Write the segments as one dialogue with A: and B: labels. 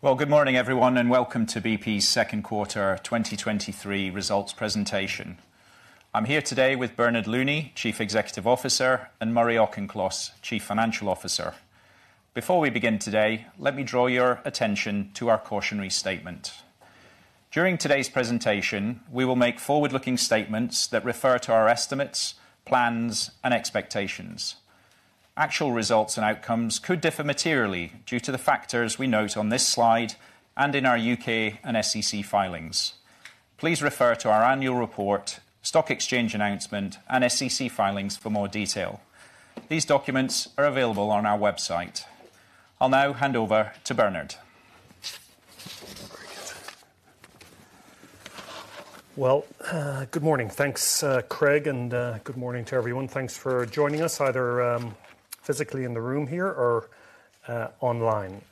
A: Well, good morning, everyone, and welcome to BP's Q2 2023 results presentation. I'm here today with Bernard Looney, Chief Executive Officer, and Murray Auchincloss, Chief Financial Officer. Before we begin today, let me draw your attention to our cautionary statement. During today's presentation, we will make forward-looking statements that refer to our estimates, plans, and expectations. Actual results and outcomes could differ materially due to the factors we note on this slide and in our U.K. and SEC filings. Please refer to our annual report, stock exchange announcement, and SEC filings for more detail. These documents are available on our website. I'll now hand over to Bernard.
B: Well, good morning. Thanks, Craig. Good morning to everyone. Thanks for joining us, either physically in the room here or online.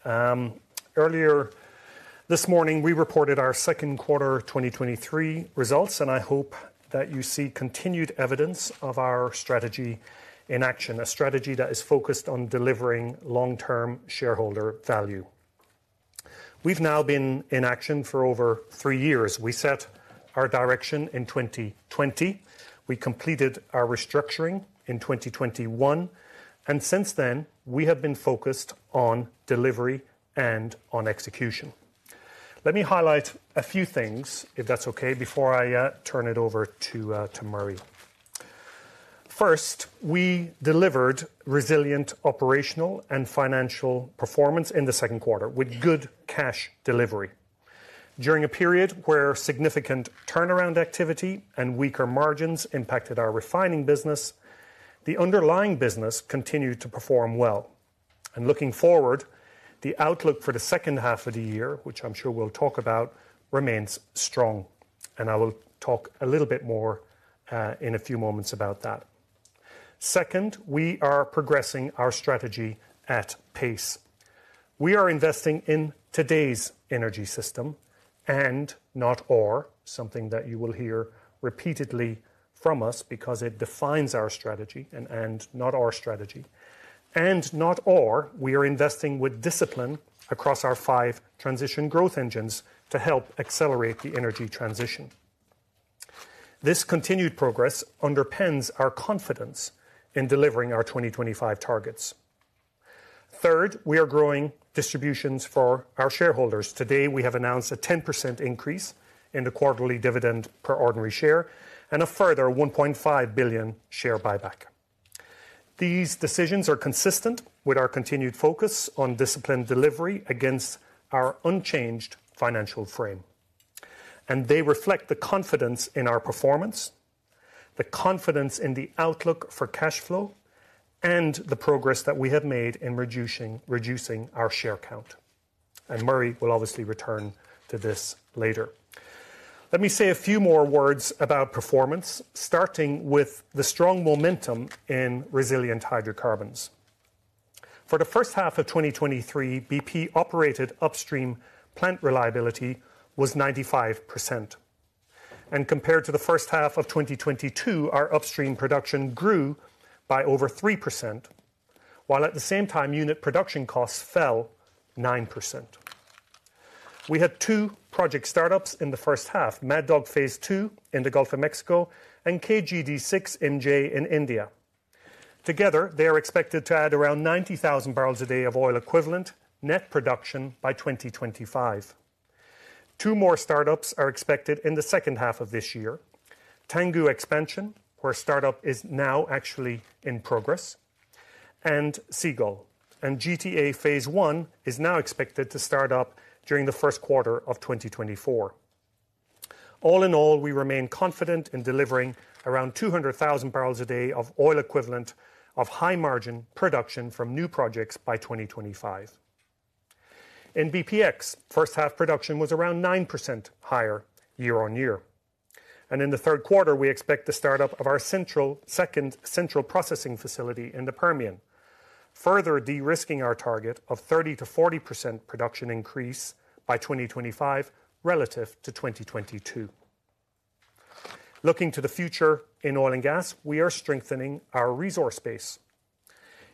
B: Earlier this morning, we reported our Q2 2023 results. I hope that you see continued evidence of our strategy in action, a strategy that is focused on delivering long-term shareholder value. We've now been in action for over 3 years. We set our direction in 2020. We completed our restructuring in 2021. Since then, we have been focused on delivery and on execution. Let me highlight a few things, if that's okay, before I turn it over to Murray. First, we delivered resilient operational and financial performance in the Q2 with good cash delivery. During a period where significant turnaround activity and weaker margins impacted our refining business, the underlying business continued to perform well. Looking forward, the outlook for the second half of the year, which I'm sure we'll talk about, remains strong, and I will talk a little bit more in a few moments about that. Second, we are progressing our strategy at pace. We are investing in today's energy system, and not or, something that you will hear repeatedly from us because it defines our strategy, and, and not our strategy. Not or, we are investing with discipline across our five transition growth engines to help accelerate the energy transition. This continued progress underpins our confidence in delivering our 2025 targets. Third, we are growing distributions for our shareholders. Today, we have announced a 10% increase in the quarterly dividend per ordinary share and a further $1.5 billion share buyback. These decisions are consistent with our continued focus on disciplined delivery against our unchanged financial frame, and they reflect the confidence in our performance, the confidence in the outlook for cash flow, and the progress that we have made in reducing our share count. Murray will obviously return to this later. Let me say a few more words about performance, starting with the strong momentum in resilient hydrocarbons. For the first half of 2023, BP-operated upstream plant reliability was 95%, and compared to the first half of 2022, our upstream production grew by over 3%, while at the same time, unit production costs fell 9%. We had two project startups in the first half, Mad Dog Phase 2 in the Gulf of Mexico and KGD6-MJ in India. Together, they are expected to add around 90,000 barrels a day of oil equivalent net production by 2025. Two more startups are expected in the second half of this year: Tangguh Expansion, where startup is now actually in progress, and Seagull. GTA Phase 1 is now expected to start up during the Q1 of 2024. All in all, we remain confident in delivering around 200,000 barrels a day of oil equivalent of high-margin production from new projects by 2025. In BPX, first half production was around 9% higher year-on-year. In the Q3, we expect the start-up of our central, second central processing facility in the Permian, further de-risking our target of 30%-40% production increase by 2025 relative to 2022. Looking to the future in oil and gas, we are strengthening our resource base.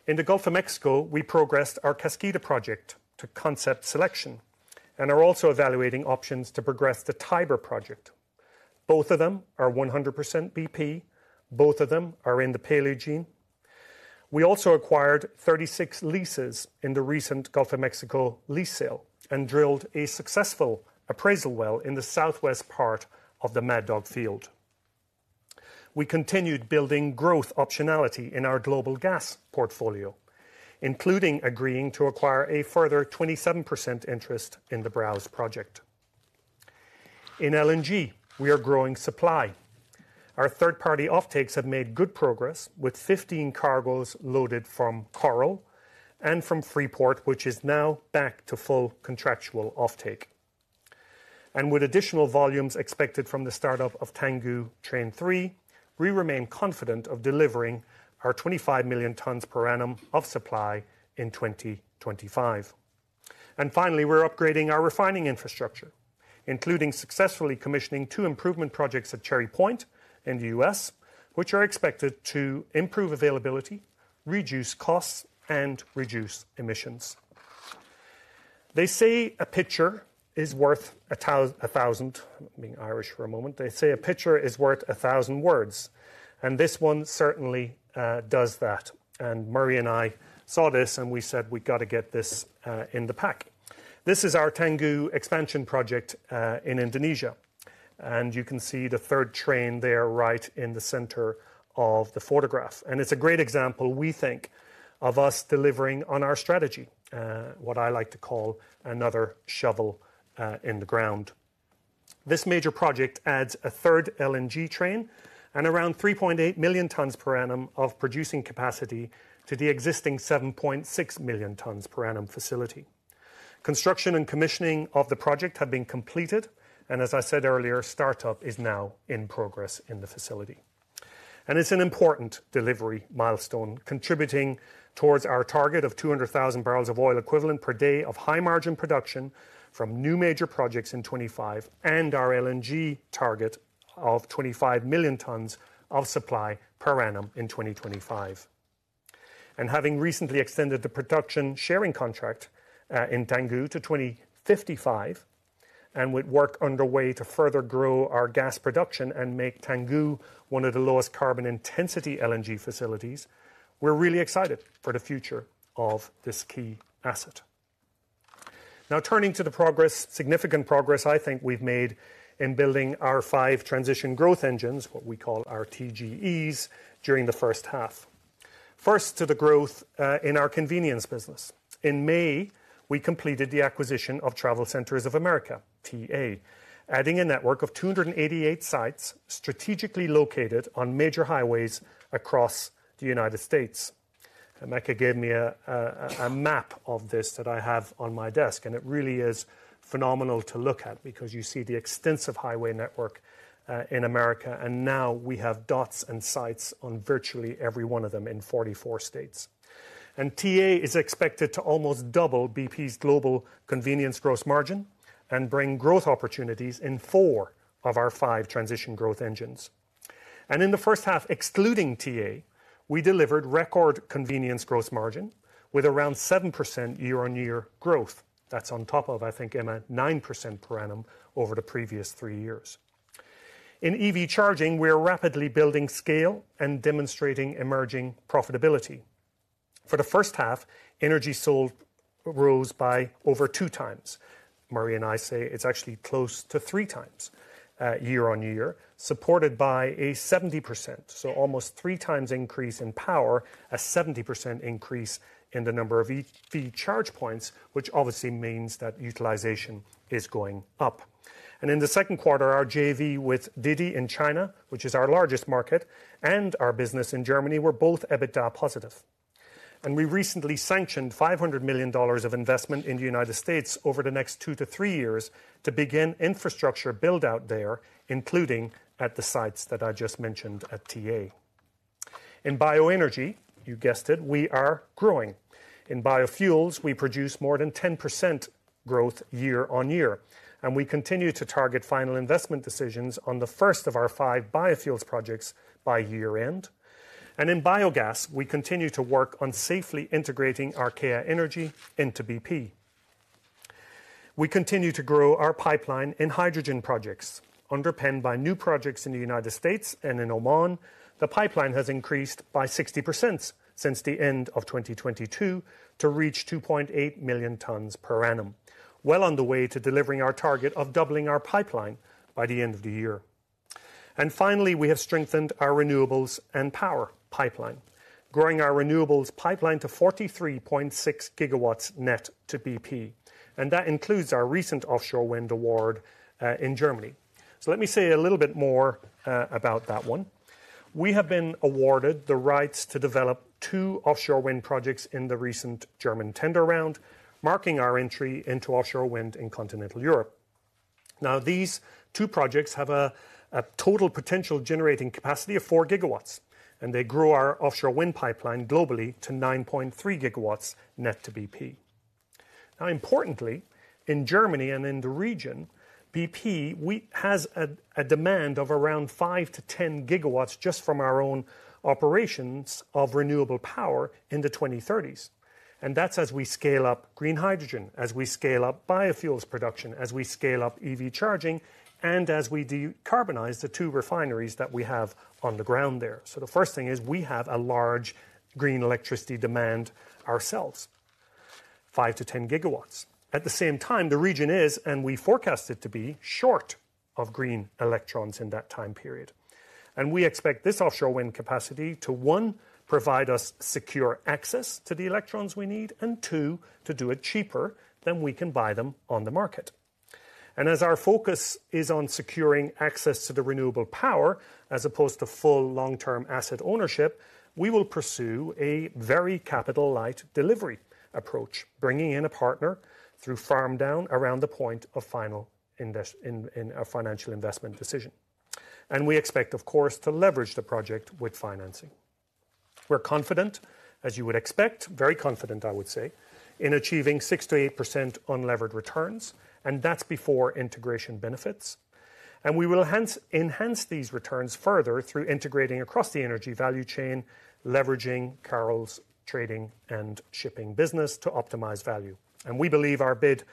B: In the Gulf of Mexico, we progressed our Kaskida project to concept selection and are also evaluating options to progress the Tiber project. Both of them are 100% BP. Both of them are in the Paleogene. We also acquired 36 leases in the recent Gulf of Mexico lease sale and drilled a successful appraisal well in the southwest part of the Mad Dog Field. We continued building growth optionality in our global gas portfolio, including agreeing to acquire a further 27% interest in the Browse project. In LNG, we are growing supply. Our third-party offtakes have made good progress with 15 cargoes loaded from Coral and from Freeport, which is now back to full contractual offtake. With additional volumes expected from the start-up of Tangguh Train 3, we remain confident of delivering our 25 million tons per annum of supply in 2025. Finally, we're upgrading our refining infrastructure. Including successfully commissioning 2 improvement projects at Cherry Point in the U.S., which are expected to improve availability, reduce costs, and reduce emissions. They say a picture is worth 1,000. I'm being Irish for a moment. They say a picture is worth 1,000 words, and this one certainly does that. Murray and I saw this, and we said, "We've got to get this in the pack." This is our Tangguh expansion project in Indonesia, and you can see the third train there, right in the center of the photograph. It's a great example, we think, of us delivering on our strategy, what I like to call another shovel in the ground. This major project adds a third LNG train and around 3.8 million tons per annum of producing capacity to the existing 7.6 million tons per annum facility. Construction and commissioning of the project have been completed, and as I said earlier, startup is now in progress in the facility. It's an important delivery milestone, contributing towards our target of 200,000 barrels of oil equivalent per day of high-margin production from new major projects in 2025, and our LNG target of 25 million tons of supply per annum in 2025. Having recently extended the production sharing contract in Tangguh to 2055, and with work underway to further grow our gas production and make Tangguh one of the lowest carbon intensity LNG facilities, we're really excited for the future of this key asset. Turning to the progress, significant progress I think we've made in building our five transition growth engines, what we call our TGEs, during the first half. First, to the growth in our convenience business. In May, we completed the acquisition of TravelCenters of America, TA, adding a network of 288 sites, strategically located on major highways across the United States. Mecca gave me a map of this that I have on my desk, and it really is phenomenal to look at because you see the extensive highway network in America, and now we have dots and sites on virtually every one of them in 44 states. TA is expected to almost double BP's global convenience gross margin and bring growth opportunities in 4 of our 5 transition growth engines. In the first half, excluding TA, we delivered record convenience gross margin with around 7% year-on-year growth. That's on top of, I think, Emma, 9% per annum over the previous three years. In EV charging, we are rapidly building scale and demonstrating emerging profitability. For the first half, energy sold rose by over two times. Murray and I say it's actually close to three times, year-on-year, supported by a 70%, so almost three times increase in power, a 70% increase in the number of EV charge points, which obviously means that utilization is going up. In the Q2, our JV with Didi in China, which is our largest market, and our business in Germany, were both EBITDA positive. We recently sanctioned $500 million of investment in the United States over the next 2 to 3 years to begin infrastructure build-out there, including at the sites that I just mentioned at TA. In bioenergy, you guessed it, we are growing. In biofuels, we produce more than 10% growth year on year, and we continue to target final investment decisions on the first of our 5 biofuels projects by year-end. In biogas, we continue to work on safely integrating Archaea Energy into BP. We continue to grow our pipeline in hydrogen projects. Underpinned by new projects in the United States and in Oman, the pipeline has increased by 60% since the end of 2022 to reach 2.8 million tons per annum. Well on the way to delivering our target of doubling our pipeline by the end of the year. Finally, we have strengthened our renewables and power pipeline, growing our renewables pipeline to 43.6 gigawatts net to BP, and that includes our recent offshore wind award in Germany. Let me say a little bit more about that one. We have been awarded the rights to develop 2 offshore wind projects in the recent German tender round, marking our entry into offshore wind in continental Europe. These 2 projects have a total potential generating capacity of 4 gigawatts, and they grow our offshore wind pipeline globally to 9.3 gigawatts net to BP. Importantly, in Germany and in the region, BP has a demand of around 5-10 gigawatts just from our own operations of renewable power in the 2030s. That's as we scale up green hydrogen, as we scale up biofuels production, as we scale up EV charging, and as we decarbonize the 2 refineries that we have on the ground there. The first thing is we have a large green electricity demand ourselves, 5-10 gigawatts. At the same time, the region is, and we forecast it to be, short of green electrons in that time period. We expect this offshore wind capacity to, 1, provide us secure access to the electrons we need, and 2, to do it cheaper than we can buy them on the market. As our focus is on securing access to the renewable power, as opposed to full long-term asset ownership, we will pursue a very capital light delivery approach, bringing in a partner through farm down around the point of final invest in a financial investment decision. We expect, of course, to leverage the project with financing. We're confident, as you would expect, very confident, I would say, in achieving 6%-8% unlevered returns, and that's before integration benefits. We will hence enhance these returns further through integrating across the energy value chain, leveraging Carol's trading and shipping business to optimize value. We believe our bid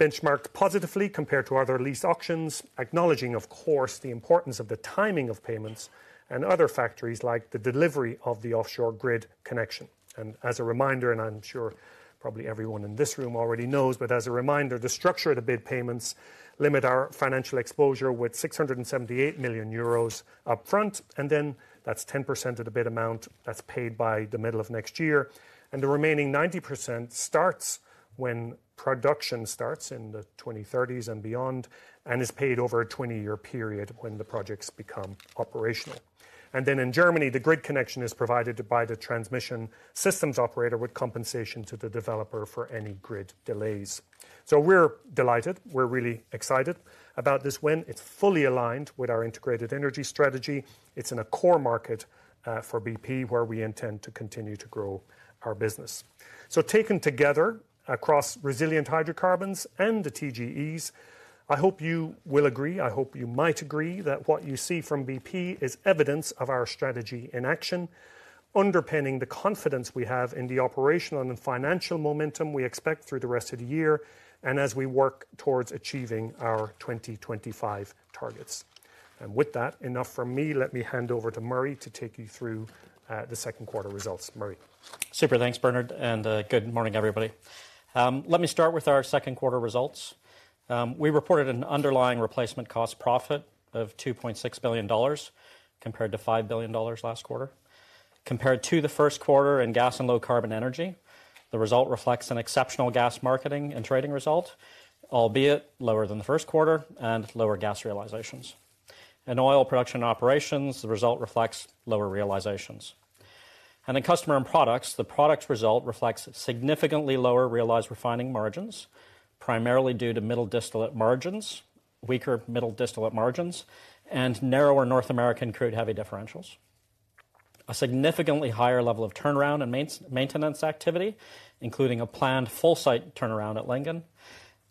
B: benchmarked positively compared to other lease auctions, acknowledging, of course, the importance of the timing of payments and other factories like the delivery of the offshore grid connection. As a reminder, and I'm sure probably everyone in this room already knows, but as a reminder, the structure of the bid payments limit our financial exposure with 678 million euros upfront, and then that's 10% of the bid amount that's paid by the middle of next year. The remaining 90% starts when production starts in the 2030s and beyond, and is paid over a 20-year period when the projects become operational. Then in Germany, the grid connection is provided by the transmission systems operator, with compensation to the developer for any grid delays. We're delighted. We're really excited about this win. It's fully aligned with our integrated energy strategy. It's in a core market for BP, where we intend to continue to grow our business. Taken together, across resilient hydrocarbons and the TGEs, I hope you will agree, I hope you might agree, that what you see from BP is evidence of our strategy in action, underpinning the confidence we have in the operational and the financial momentum we expect through the rest of the year and as we work towards achieving our 2025 targets. With that, enough from me. Let me hand over to Murray to take you through the Q2 results. Murray?
C: Super. Thanks, Bernard. Good morning, everybody. Let me start with our Q2 results. We reported an underlying replacement cost profit of $2.6 billion, compared to $5 billion last quarter. Compared to the Q1 in gas and low carbon energy, the result reflects an exceptional gas marketing and trading result, albeit lower than the Q1 and lower gas realizations. In oil production operations, the result reflects lower realizations. In customer and products, the products result reflects significantly lower realized refining margins, primarily due to weaker middle distillate margins and narrower North American crude heavy differentials. A significantly higher level of turnaround and maintenance activity, including a planned full site turnaround at Lincoln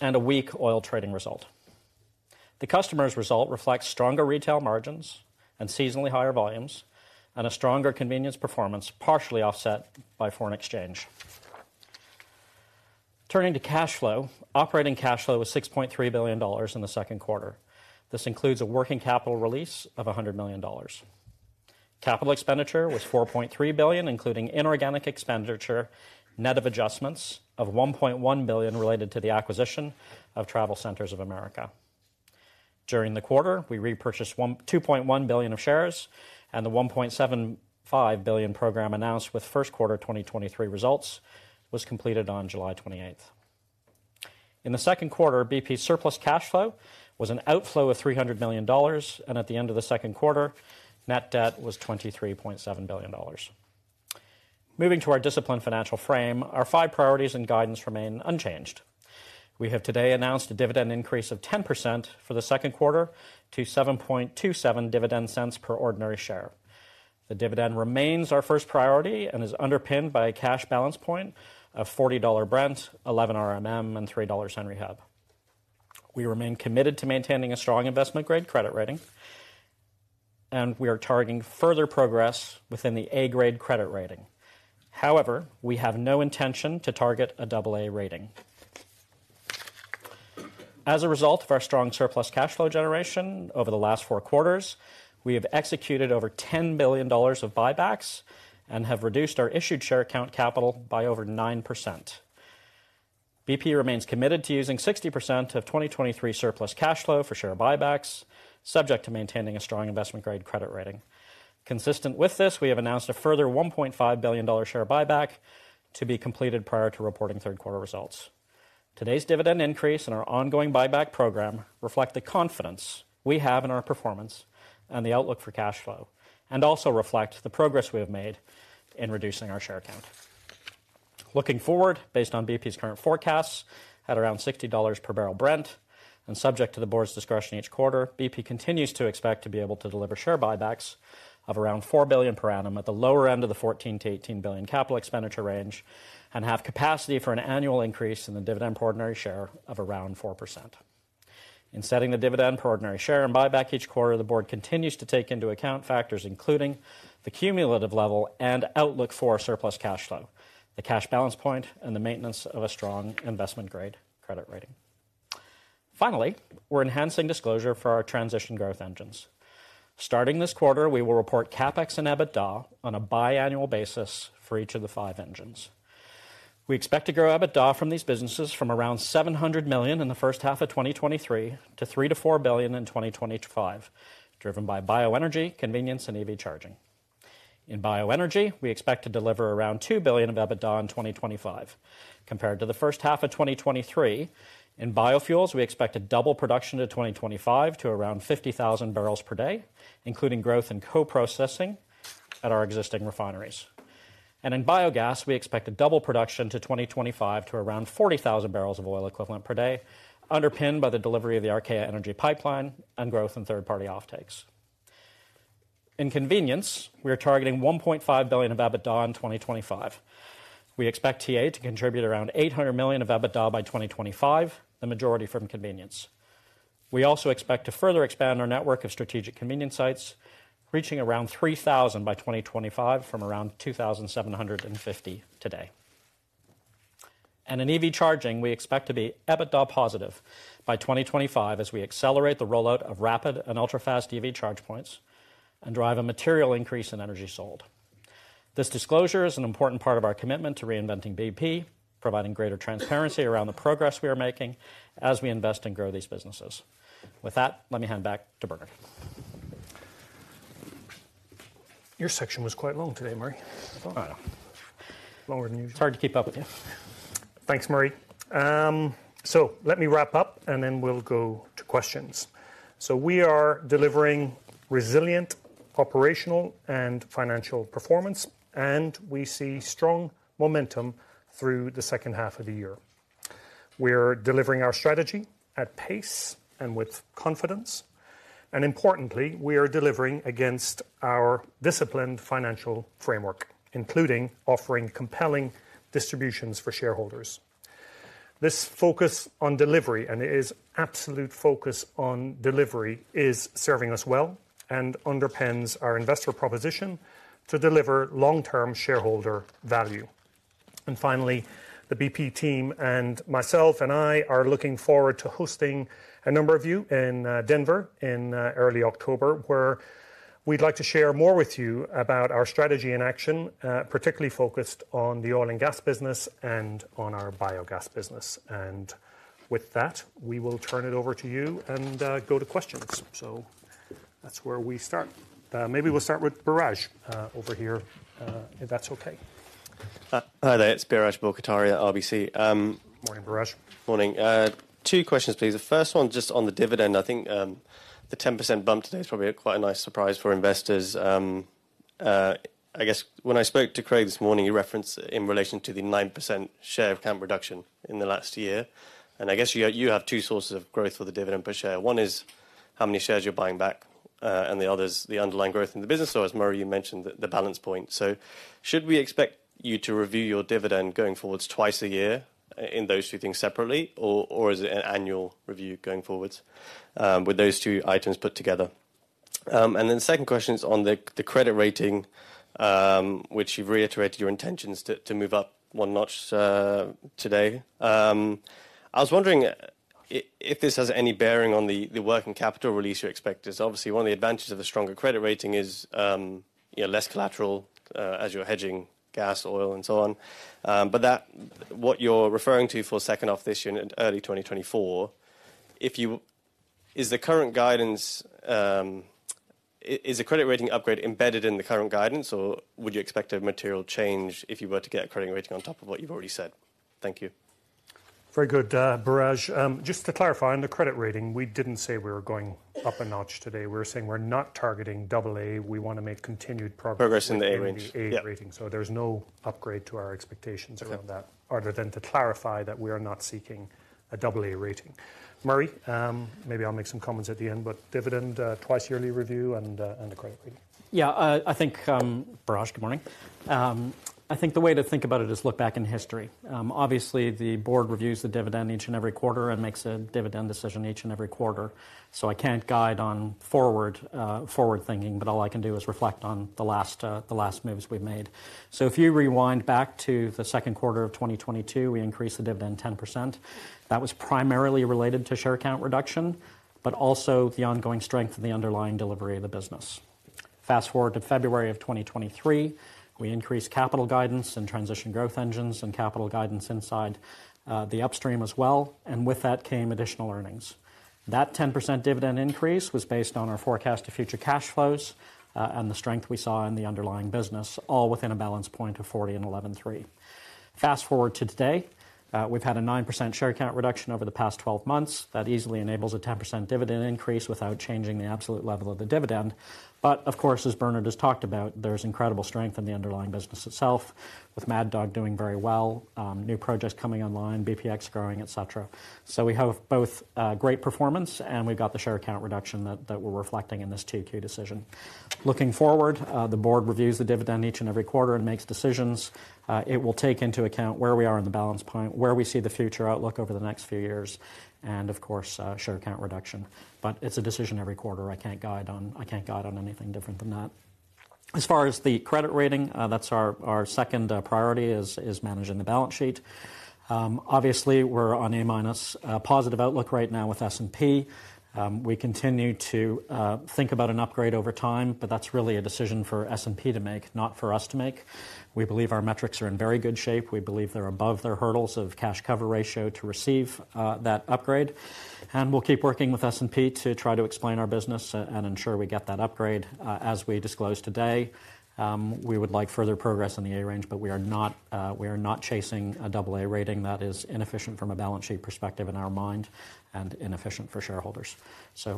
C: and a weak oil trading result. The customer's result reflects stronger retail margins and seasonally higher volumes, and a stronger convenience performance, partially offset by foreign exchange. Turning to cash flow, operating cash flow was $6.3 billion in the Q2. This includes a working capital release of $100 million. Capital expenditure was $4.3 billion, including inorganic expenditure, net of adjustments of $1.1 billion related to the acquisition of TravelCenters of America. During the quarter, we repurchased $2.1 billion of shares, and the $1.75 billion program announced with Q1 2023 results was completed on July 28th. In the Q2, BP's surplus cash flow was an outflow of $300 million, and at the end of the Q2, net debt was $23.7 billion. Moving to our disciplined financial frame, our five priorities and guidance remain unchanged. We have today announced a dividend increase of 10% for the Q2 to $0.0727 dividend cents per ordinary share. The dividend remains our first priority and is underpinned by a cash balance point of $40 Brent, 11 RMM, and $3 on Henry Hub. We remain committed to maintaining a strong investment-grade credit rating, we are targeting further progress within the A-grade credit rating. However, we have no intention to target a double A rating. As a result of our strong surplus cash flow generation over the last four quarters, we have executed over $10 billion of buybacks and have reduced our issued share count capital by over 9%. BP remains committed to using 60% of 2023 surplus cash flow for share buybacks, subject to maintaining a strong investment-grade credit rating. Consistent with this, we have announced a further $1.5 billion share buyback to be completed prior to reporting Q3 results. Today's dividend increase and our ongoing buyback program reflect the confidence we have in our performance and the outlook for cash flow, also reflect the progress we have made in reducing our share count. Looking forward, based on BP's current forecasts, at around $60 per barrel Brent, and subject to the board's discretion each quarter, BP continues to expect to be able to deliver share buybacks of around $4 billion per annum at the lower end of the $14 billion-$18 billion capital expenditure range. Have capacity for an annual increase in the dividend per ordinary share of around 4%. In setting the dividend per ordinary share and buyback each quarter, the board continues to take into account factors including the cumulative level and outlook for surplus cash flow, the cash balance point, and the maintenance of a strong investment-grade credit rating. Finally, we're enhancing disclosure for our transition growth engines. Starting this quarter, we will report CapEx and EBITDA on a biannual basis for each of the 5 engines. We expect to grow EBITDA from these businesses from around $700 million in the first half of 2023 to $3 billion-$4 billion in 2025, driven by bioenergy, convenience, and EV charging. In bioenergy, we expect to deliver around $2 billion of EBITDA in 2025. Compared to the first half of 2023, in biofuels, we expect to double production to 2025 to around 50,000 barrels per day, including growth in co-processing at our existing refineries. In biogas, we expect to double production to 2025 to around 40,000 barrels of oil equivalent per day, underpinned by the delivery of the Archaea Energy Pipeline and growth in third-party offtakes. In convenience, we are targeting $1.5 billion of EBITDA in 2025. We expect TA to contribute around $800 million of EBITDA by 2025, the majority from convenience. We also expect to further expand our network of strategic convenience sites, reaching around 3,000 by 2025, from around 2,750 today. In EV charging, we expect to be EBITDA positive by 2025 as we accelerate the rollout of rapid and ultra-fast EV charge points and drive a material increase in energy sold. This disclosure is an important part of our commitment to reinventing BP, providing greater transparency around the progress we are making as we invest and grow these businesses. With that, let me hand back to Bernard.
B: Your section was quite long today, Murray.
C: I know.
B: Longer than usual.
C: It's hard to keep up with you.
B: Thanks, Murray. Let me wrap up, and then we'll go to questions. We are delivering resilient operational and financial performance, and we see strong momentum through the second half of the year. We're delivering our strategy at pace and with confidence, and importantly, we are delivering against our disciplined financial framework, including offering compelling distributions for shareholders. This focus on delivery, and it is absolute focus on delivery, is serving us well and underpins our investor proposition to deliver long-term shareholder value. Finally, the BP team and myself, and I are looking forward to hosting a number of you in Denver in early October, where we'd like to share more with you about our strategy in action, particularly focused on the oil and gas business and on our biogas business. With that, we will turn it over to you and go to questions. That's where we start. Maybe we'll start with Biraj over here, if that's okay.
D: Hi there, it's Biraj Borkhataria, RBC.
B: Morning, Biraj.
D: Morning. Two questions, please. The first one, just on the dividend. I think, the 10% bump today is probably quite a nice surprise for investors. I guess when I spoke to Craig this morning, he referenced in relation to the 9% share of count reduction in the last year, I guess you, you have two sources of growth for the dividend per share. One is how many shares you're buying back, the other is the underlying growth in the business, or as Murray, you mentioned, the, the balance point. Should we expect you to review your dividend going forwards twice a year in those two things separately, or, or is it an annual review going forwards with those two items put together? Then the second question is on the credit rating, which you've reiterated your intentions to move up one notch today. I was wondering if this has any bearing on the working capital release you expect, as obviously, one of the advantages of a stronger credit rating is, yeah, less collateral as you're hedging gas, oil, and so on. What you're referring to for second half this year and early 2024, is the current guidance, is the credit rating upgrade embedded in the current guidance, or would you expect a material change if you were to get a credit rating on top of what you've already said? Thank you.
B: Very good, Biraj. Just to clarify, on the credit rating, we didn't say we were going up a notch today. We're saying we're not targeting double A. We want to make continued progress-
D: Progress in the A range, yeah.
B: A rating. There's no upgrade to our expectations.
D: Okay
B: around that, other than to clarify that we are not seeking a AA rating. Murray, maybe I'll make some comments at the end, but dividend, twice yearly review and, and a credit rating.
C: Yeah, I think Biraj, good morning. I think the way to think about it is look back in history. Obviously, the board reviews the dividend each and every quarter and makes a dividend decision each and every quarter, I can't guide on forward, forward thinking, but all I can do is reflect on the last, the last moves we've made. If you rewind back to the Q2 of 2022, we increased the dividend 10%. That was primarily related to share count reduction, but also the ongoing strength of the underlying delivery of the business. Fast-forward to February of 2023, we increased capital guidance and Transition Growth Engines and capital guidance inside the upstream as well, and with that came additional earnings. That 10% dividend increase was based on our forecast of future cash flows and the strength we saw in the underlying business, all within a cash balance point of $40 and $11.3. Fast-forward to today, we've had a 9% share count reduction over the past 12 months. That easily enables a 10% dividend increase without changing the absolute level of the dividend. Of course, as Bernard Looney just talked about, there's incredible strength in the underlying business itself, with Mad Dog doing very well, new projects coming online, BPX growing, et cetera. We have both great performance, and we've got the share count reduction that we're reflecting in this 2Q decision. Looking forward, the board reviews the dividend each and every quarter and makes decisions. It will take into account where we are in the balance point, where we see the future outlook over the next few years, and of course, share count reduction. It's a decision every quarter. I can't guide on, I can't guide on anything different than that. As far as the credit rating, that's our, our second priority is, is managing the balance sheet. Obviously, we're on A-, positive outlook right now with S&P. We continue to think about an upgrade over time, that's really a decision for S&P to make, not for us to make. We believe our metrics are in very good shape. We believe they're above their hurdles of cash cover ratio to receive that upgrade. We'll keep working with S&P to try to explain our business and ensure we get that upgrade. As we disclosed today, we would like further progress in the A range, but we are not, we are not chasing a double A rating. That is inefficient from a balance sheet perspective in our mind, and inefficient for shareholders.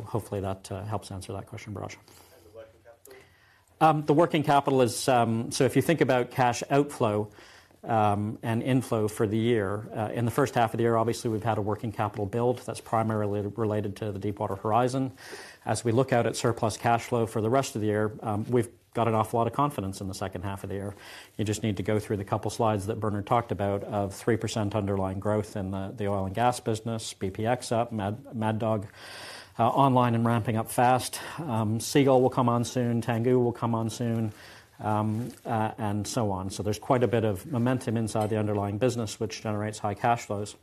C: Hopefully that helps answer that question, Biraj. The working capital is, if you think about cash outflow, and inflow for the year, in the first half of the year, obviously, we've had a working capital build that's primarily related to the Deepwater Horizon. As we look out at surplus cash flow for the rest of the year, we've got an awful lot of confidence in the second half of the year. You just need to go through the couple slides that Bernard talked about, of 3% underlying growth in the, the oil and gas business, BPX up, Mad Dog online and ramping up fast. Seagull will come on soon, Tangguh will come on soon, and so on. There's quite a bit of momentum inside the underlying business, which generates high cash flows.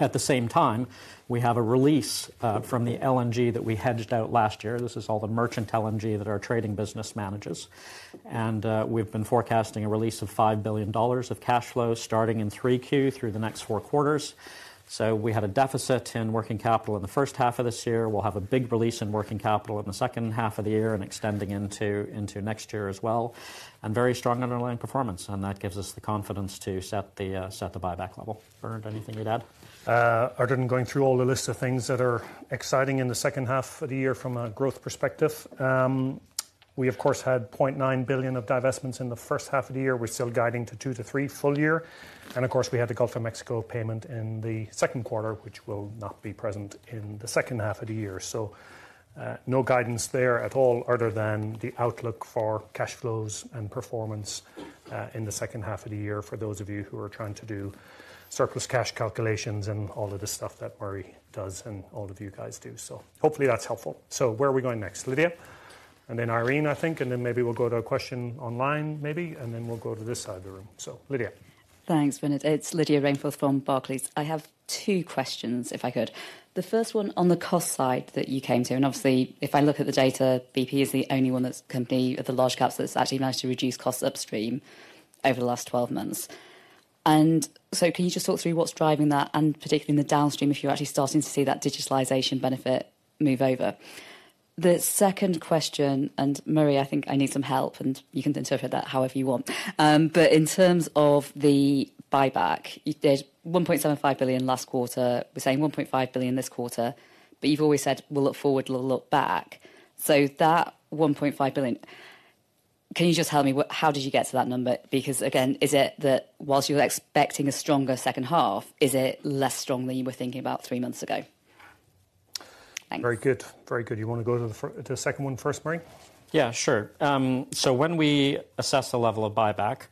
C: At the same time, we have a release from the LNG that we hedged out last year. This is all the merchant LNG that our trading business manages, and we've been forecasting a release of $5 billion of cash flows starting in 3Q through the next 4 quarters. We had a deficit in working capital in the first half of this year. We'll have a big release in working capital in the second half of the year and extending into, into next year as well, and very strong underlying performance, and that gives us the confidence to set the, set the buyback level. Bernard, anything you'd add?
B: Other than going through all the lists of things that are exciting in the second half of the year from a growth perspective, we, of course, had $0.9 billion of divestments in the first half of the year. We're still guiding to 2-3 full year. Of course, we had the Gulf of Mexico payment in the Q2, which will not be present in the second half of the year. No guidance there at all other than the outlook for cash flows and performance in the second half of the year, for those of you who are trying to do surplus cash calculations and all of the stuff that Murray does, and all of you guys do. Hopefully that's helpful. Where are we going next? Lydia, and then Irene, I think, and then maybe we'll go to a question online, maybe, and then we'll go to this side of the room. Lydia.
E: Thanks, Bernard. It's Lydia Rainforth from Barclays. I have two questions, if I could. The first one on the cost side that you came to, obviously, if I look at the data, BP is the only one that's company of the large caps that's actually managed to reduce costs upstream over the last 12 months. So can you just talk through what's driving that, and particularly in the downstream, if you're actually starting to see that digitalization benefit move over? The second question, Murray, I think I need some help, and you can interpret that however you want. In terms of the buyback, there's $1.75 billion last quarter. We're saying $1.5 billion this quarter, you've always said, "We'll look forward, we'll look back." That $1.5 billion, can you just tell me, how did you get to that number? Again, is it that whilst you were expecting a stronger second half, is it less strong than you were thinking about 3 months ago? Thanks.
B: Very good. Very good. You want to go to the second one first, Murray?
C: Yeah, sure. When we assess the level of buyback,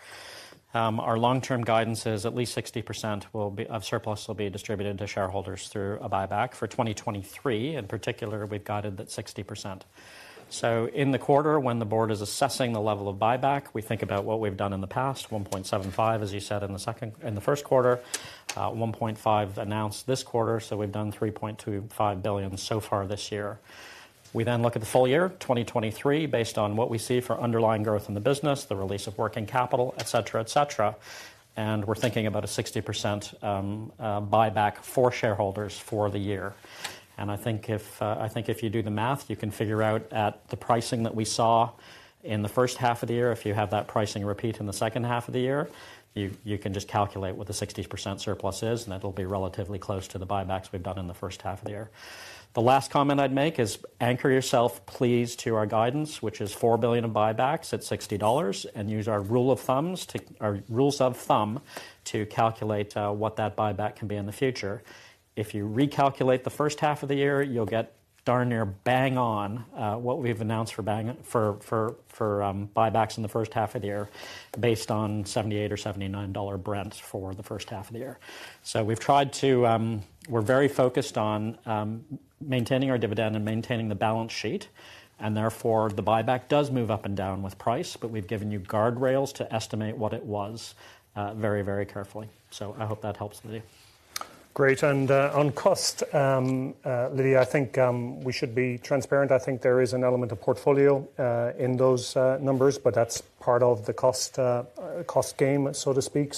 C: our long-term guidance is at least 60% of surplus will be distributed to shareholders through a buyback. For 2023, in particular, we've guided that 60%. In the quarter, when the board is assessing the level of buyback, we think about what we've done in the past, $1.75 billion, as you said, in the Q1, $1.5 billion announced this quarter, we've done $3.25 billion so far this year. We look at the full year, 2023, based on what we see for underlying growth in the business, the release of working capital, et cetera, et cetera, and we're thinking about a 60% buyback for shareholders for the year. I think if, I think if you do the math, you can figure out at the pricing that we saw in the first half of the year, if you have that pricing repeat in the second half of the year, you, you can just calculate what the 60% surplus is, and that'll be relatively close to the buybacks we've done in the first half of the year. The last comment I'd make is anchor yourself, please, to our guidance, which is $4 billion in buybacks at $60, and use our rules of thumb to calculate what that buyback can be in the future. If you recalculate the first half of the year, you'll get darn near bang on what we've announced for buybacks in the first half of the year, based on $78 or $79 Brent for the first half of the year. We've tried to. We're very focused on maintaining our dividend and maintaining the balance sheet, and therefore, the buyback does move up and down with price, but we've given you guardrails to estimate what it was very, very carefully. I hope that helps, Lydia.
B: Great, on cost, Lydia, I think we should be transparent. I think there is an element of portfolio in those numbers, but that's part of the cost, cost game, so to speak.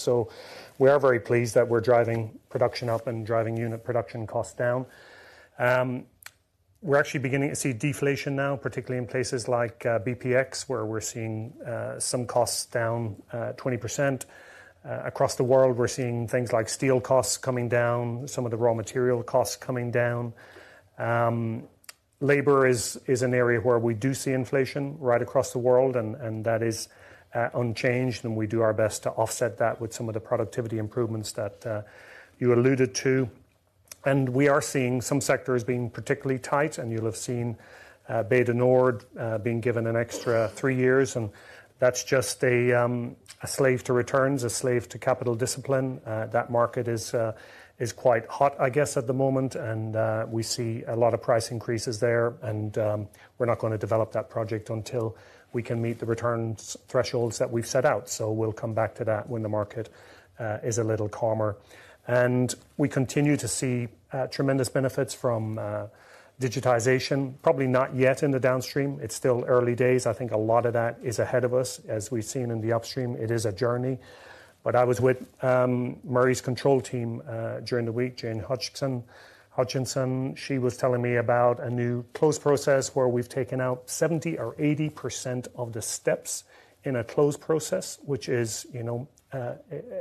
B: We are very pleased that we're driving production up and driving unit production costs down. We're actually beginning to see deflation now, particularly in places like bpx, where we're seeing some costs down 20%. Across the world, we're seeing things like steel costs coming down, some of the raw material costs coming down. Labor is, is an area where we do see inflation right across the world, and that is unchanged, and we do our best to offset that with some of the productivity improvements that you alluded to. We are seeing some sectors being particularly tight, and you'll have seen Bay du Nord being given an extra 3 years, and that's just a slave to returns, a slave to capital discipline. That market is quite hot, I guess, at the moment, and we see a lot of price increases there, and we're not gonna develop that project until we can meet the returns thresholds that we've set out. We'll come back to that when the market is a little calmer. We continue to see tremendous benefits from digitization, probably not yet in the downstream. It's still early days. I think a lot of that is ahead of us. As we've seen in the upstream, it is a journey. I was with Murray's control team during the week, Jane Hutchinson, Hutchinson. She was telling me about a new closed process where we've taken out 70% or 80% of the steps in a closed process, which is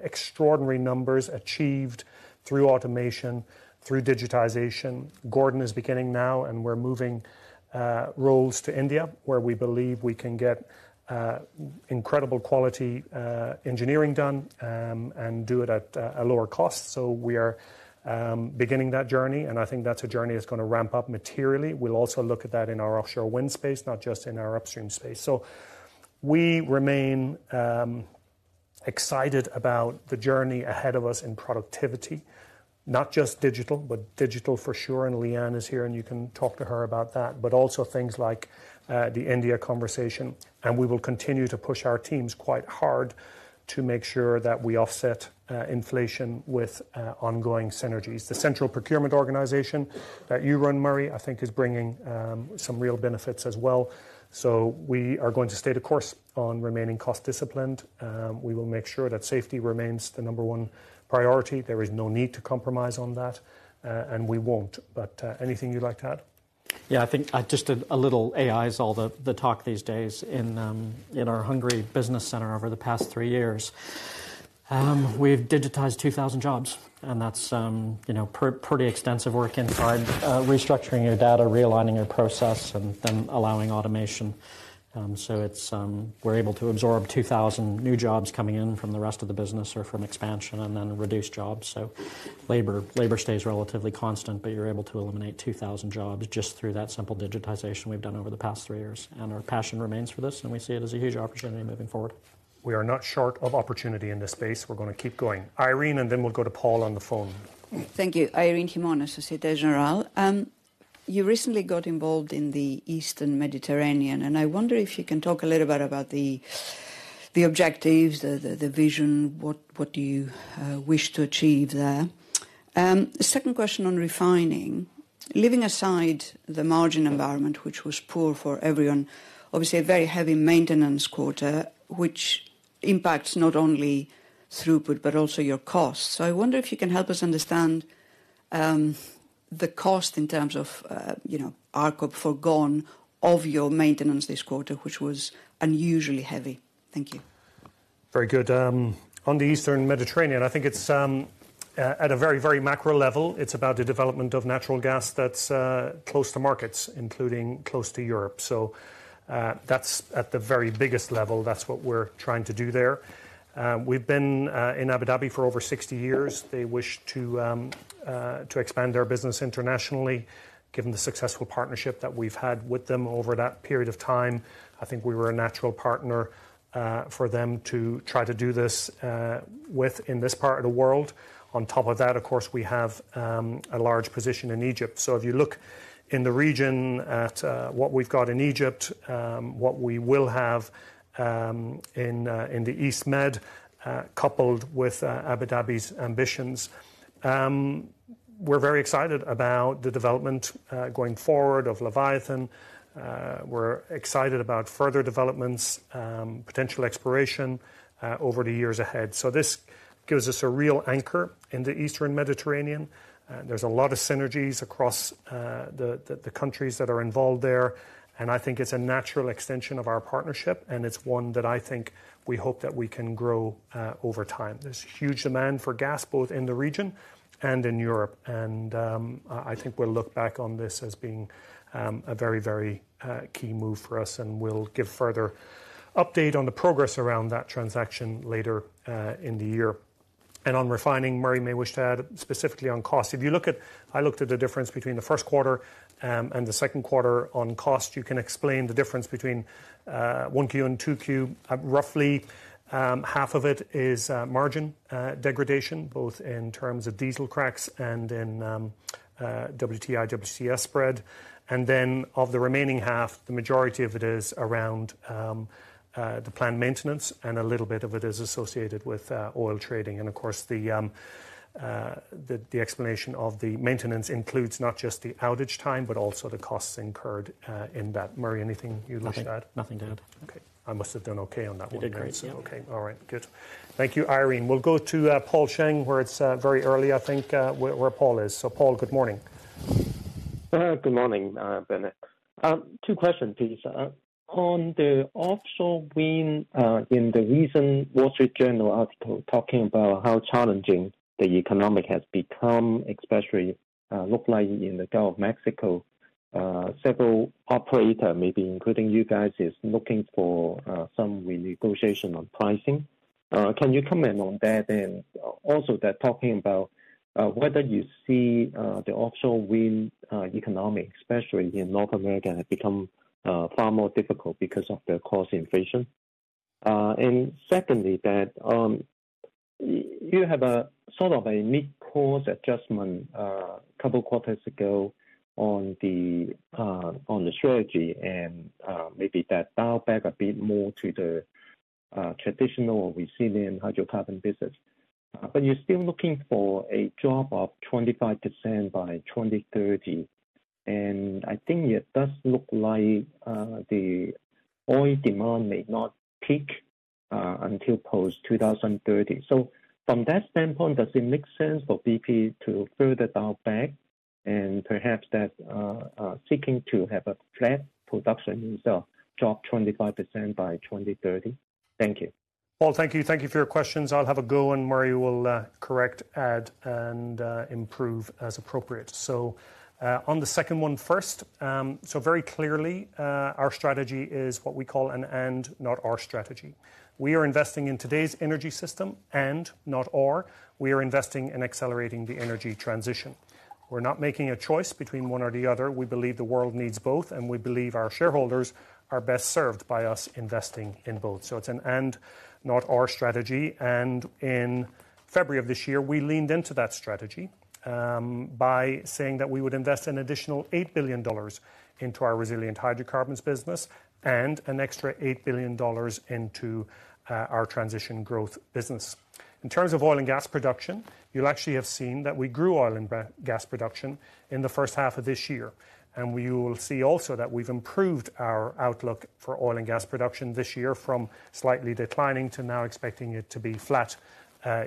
B: extraordinary numbers achieved through automation, through digitization. Gordon is beginning now, and we're moving roles to India, where we believe we can get incredible quality engineering done, and do it at a lower cost. We are beginning that journey, and I think that's a journey that's gonna ramp up materially. We'll also look at that in our offshore wind space, not just in our upstream space. We remain excited about the journey ahead of us in productivity, not just digital, but digital for sure, and Leanne is here, and you can talk to her about that, but also things like the India conversation. We will continue to push our teams quite hard to make sure that we offset inflation with ongoing synergies. The central procurement organization that you run, Murray, I think is bringing some real benefits as well. We are going to stay the course on remaining cost-disciplined. We will make sure that safety remains the number one priority. There is no need to compromise on that, and we won't. Anything you'd like to add?
C: Yeah, I think, just a little AI is all the talk these days. In our Hungary business center over the past three years, we've digitized 2,000 jobs, and that's pretty extensive work inside restructuring your data, realigning your process, and then allowing automation. It's, we're able to absorb 2,000 new jobs coming in from the rest of the business or from expansion, and then reduce jobs. Labor, labor stays relatively constant, but you're able to eliminate 2,000 jobs just through that simple digitization we've done over the past three years. Our passion remains for this, and we see it as a huge opportunity moving forward.
B: We are not short of opportunity in this space. We're gonna keep going. Irene, then we'll go to Paul on the phone.
F: Thank you. Irene Himona, Société Générale. You recently got involved in the Eastern Mediterranean, I wonder if you can talk a little bit about the objectives, the vision, what do you wish to achieve there? The second question on refining. Leaving aside the margin environment, which was poor for everyone, obviously, a very heavy maintenance quarter, which impacts not only throughput, but also your costs. I wonder if you can help us understand the cost in terms of RCOP foregone of your maintenance this quarter, which was unusually heavy. Thank you.
B: Very good. On the Eastern Mediterranean, I think it's at a very, very macro level, it's about the development of natural gas that's close to markets, including close to Europe. That's at the very biggest level, that's what we're trying to do there. We've been in Abu Dhabi for over 60 years. They wish to expand their business internationally. Given the successful partnership that we've had with them over that period of time, I think we were a natural partner for them to try to do this with, in this part of the world. On top of that, of course, we have a large position in Egypt. If you look in the region at what we've got in Egypt, what we will have in the East Med, coupled with Abu Dhabi's ambitions, we're very excited about the development going forward of Leviathan. We're excited about further developments, potential exploration over the years ahead. This gives us a real anchor in the Eastern Mediterranean. There's a lot of synergies across the, the, the countries that are involved there, and I think it's a natural extension of our partnership, and it's one that I think we hope that we can grow over time. There's huge demand for gas, both in the region and in Europe, I think we'll look back on this as being a very, very key move for us, and we'll give further update on the progress around that transaction later in the year. On refining, Murray, you may wish to add specifically on cost. If you look at-- I looked at the difference between the Q1 and the Q2 on cost. You can explain the difference between 1Q and 2Q. Roughly, half of it is margin degradation, both in terms of diesel cracks and in WTI, WCS spread. Then, of the remaining half, the majority of it is around the plant maintenance, and a little bit of it is associated with oil trading. Of course, the, the explanation of the maintenance includes not just the outage time, but also the costs incurred in that. Murray, anything you'd like to add?
C: Nothing to add.
B: Okay. I must have done okay on that one, then.
C: You did great, yeah.
B: Okay. All right. Good. Thank you, Irene. We'll go to Paul Cheng, where it's very early, I think, where, where Paul is. Paul, good morning.
G: Good morning, Bennett. 2 questions, please. On the offshore wind, in the recent Wall Street Journal article, talking about how challenging the economic has become, especially, look like in the Gulf of Mexico, several operator, maybe including you guys, is looking for, some renegotiation on pricing. Can you comment on that? They're talking about, whether you see, the offshore wind, economic, especially in North America, have become, far more difficult because of the cost inflation. Secondly, that you have a a mid-course adjustment, 2 quarters ago on the, on the strategy and, maybe that dial back a bit more to the, traditional resilient hydrocarbon business.... You're still looking for a drop of 25% by 2030, and I think it does look like the oil demand may not peak until post 2030. From that standpoint, does it make sense for BP to further dial back and perhaps that seeking to have a flat production instead of drop 25% by 2030? Thank you.
B: Paul, thank you. Thank you for your questions. I'll have a go, and Murray will correct, add, and improve as appropriate. On the second one first, very clearly, our strategy is what we call an "and, not or" strategy. We are investing in today's energy system, and not or, we are investing in accelerating the energy transition. We're not making a choice between one or the other. We believe the world needs both, and we believe our shareholders are best served by us investing in both. It's an "and, not or" strategy. In February of this year, we leaned into that strategy by saying that we would invest an additional $8 billion into our resilient hydrocarbons business and an extra $8 billion into our transition growth business. In terms of oil and gas production, you'll actually have seen that we grew oil and gas production in the first half of this year. We will see also that we've improved our outlook for oil and gas production this year from slightly declining to now expecting it to be flat,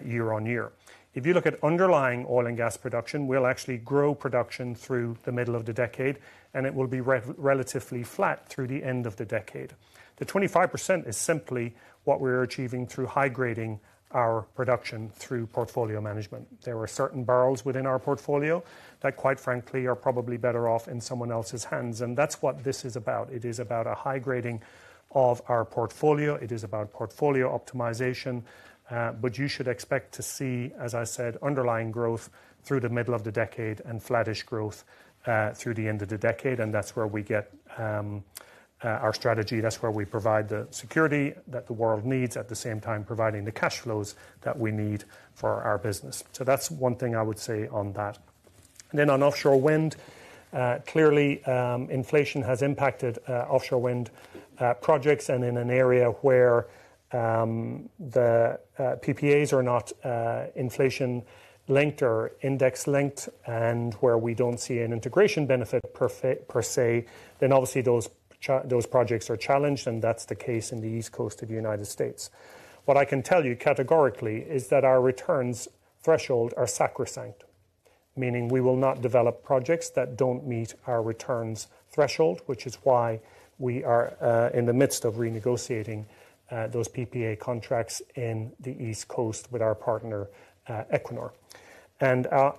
B: year-on-year. If you look at underlying oil and gas production, we'll actually grow production through the middle of the decade, and it will be relatively flat through the end of the decade. The 25% is simply what we're achieving through high-grading our production through portfolio management. There are certain barrels within our portfolio that, quite frankly, are probably better off in someone else's hands, and that's what this is about. It is about a high-grading of our portfolio. It is about portfolio optimization, but you should expect to see, as I said, underlying growth through the middle of the decade and flattish growth through the end of the decade, and that's where we get our strategy. That's where we provide the security that the world needs, at the same time, providing the cash flows that we need for our business. That's one thing I would say on that. Then on offshore wind, clearly, inflation has impacted offshore wind projects, and in an area where the PPAs are not inflation-linked or index-linked, and where we don't see an integration benefit per se, then obviously those projects are challenged, and that's the case in the East Coast of the United States. What I can tell you categorically is that our returns threshold are sacrosanct, meaning we will not develop projects that don't meet our returns threshold, which is why we are in the midst of renegotiating those PPA contracts in the East Coast with our partner, Equinor.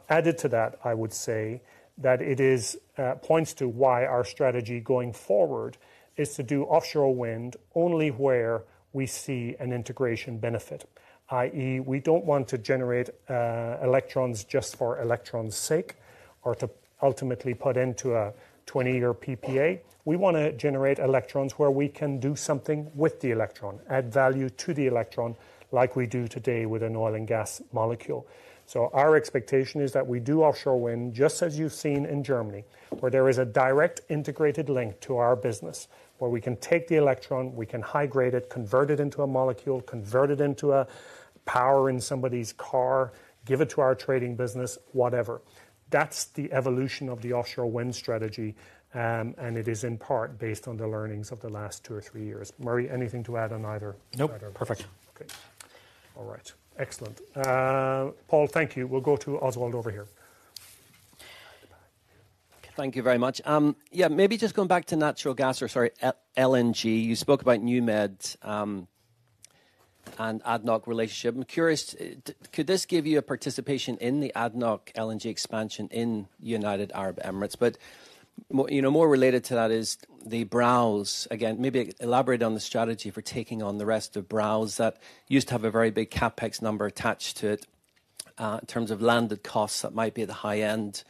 B: Added to that, I would say, that it is. Points to why our strategy going forward is to do offshore wind only where we see an integration benefit, i.e., we don't want to generate electrons just for electrons' sake or to ultimately put into a 20-year PPA. We wanna generate electrons where we can do something with the electron, add value to the electron, like we do today with an oil and gas molecule. Our expectation is that we do offshore wind, just as you've seen in Germany, where there is a direct integrated link to our business, where we can take the electron, we can high-grade it, convert it into a molecule, convert it into a power in somebody's car, give it to our trading business, whatever. That's the evolution of the offshore wind strategy, and it is in part based on the learnings of the last two or three years. Murray, anything to add on either?
C: Nope.
B: Perfect. Okay. All right. Excellent. Paul, thank you. We'll go to Oswald over here.
H: Thank you very much. Yeah, maybe just going back to natural gas or, sorry, LNG. You spoke about NewMed Energy and ADNOC relationship. I'm curious, could this give you a participation in the ADNOC LNG expansion in United Arab Emirates? more more related to that is the Browse. Again, maybe elaborate on the strategy for taking on the rest of Browse. That used to have a very big CapEx number attached to it, in terms of landed costs, that might be at the high end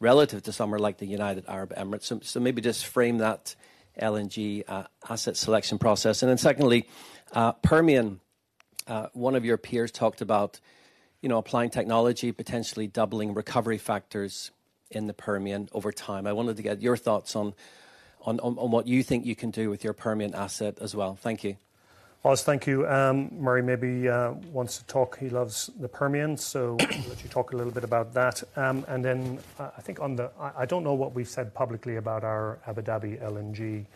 H: relative to somewhere like the United Arab Emirates. Maybe just frame that LNG asset selection process. Secondly, Permian, one of your peers talked about applying technology, potentially doubling recovery factors in the Permian over time. I wanted to get your thoughts on, on, on, on what you think you can do with your Permian asset as well. Thank you.
B: Os, thank you. Murray, maybe wants to talk. He loves the Permian. I'll let you talk a little bit about that. I think on the... I, I don't know what we've said publicly about our Abu Dhabi LNG.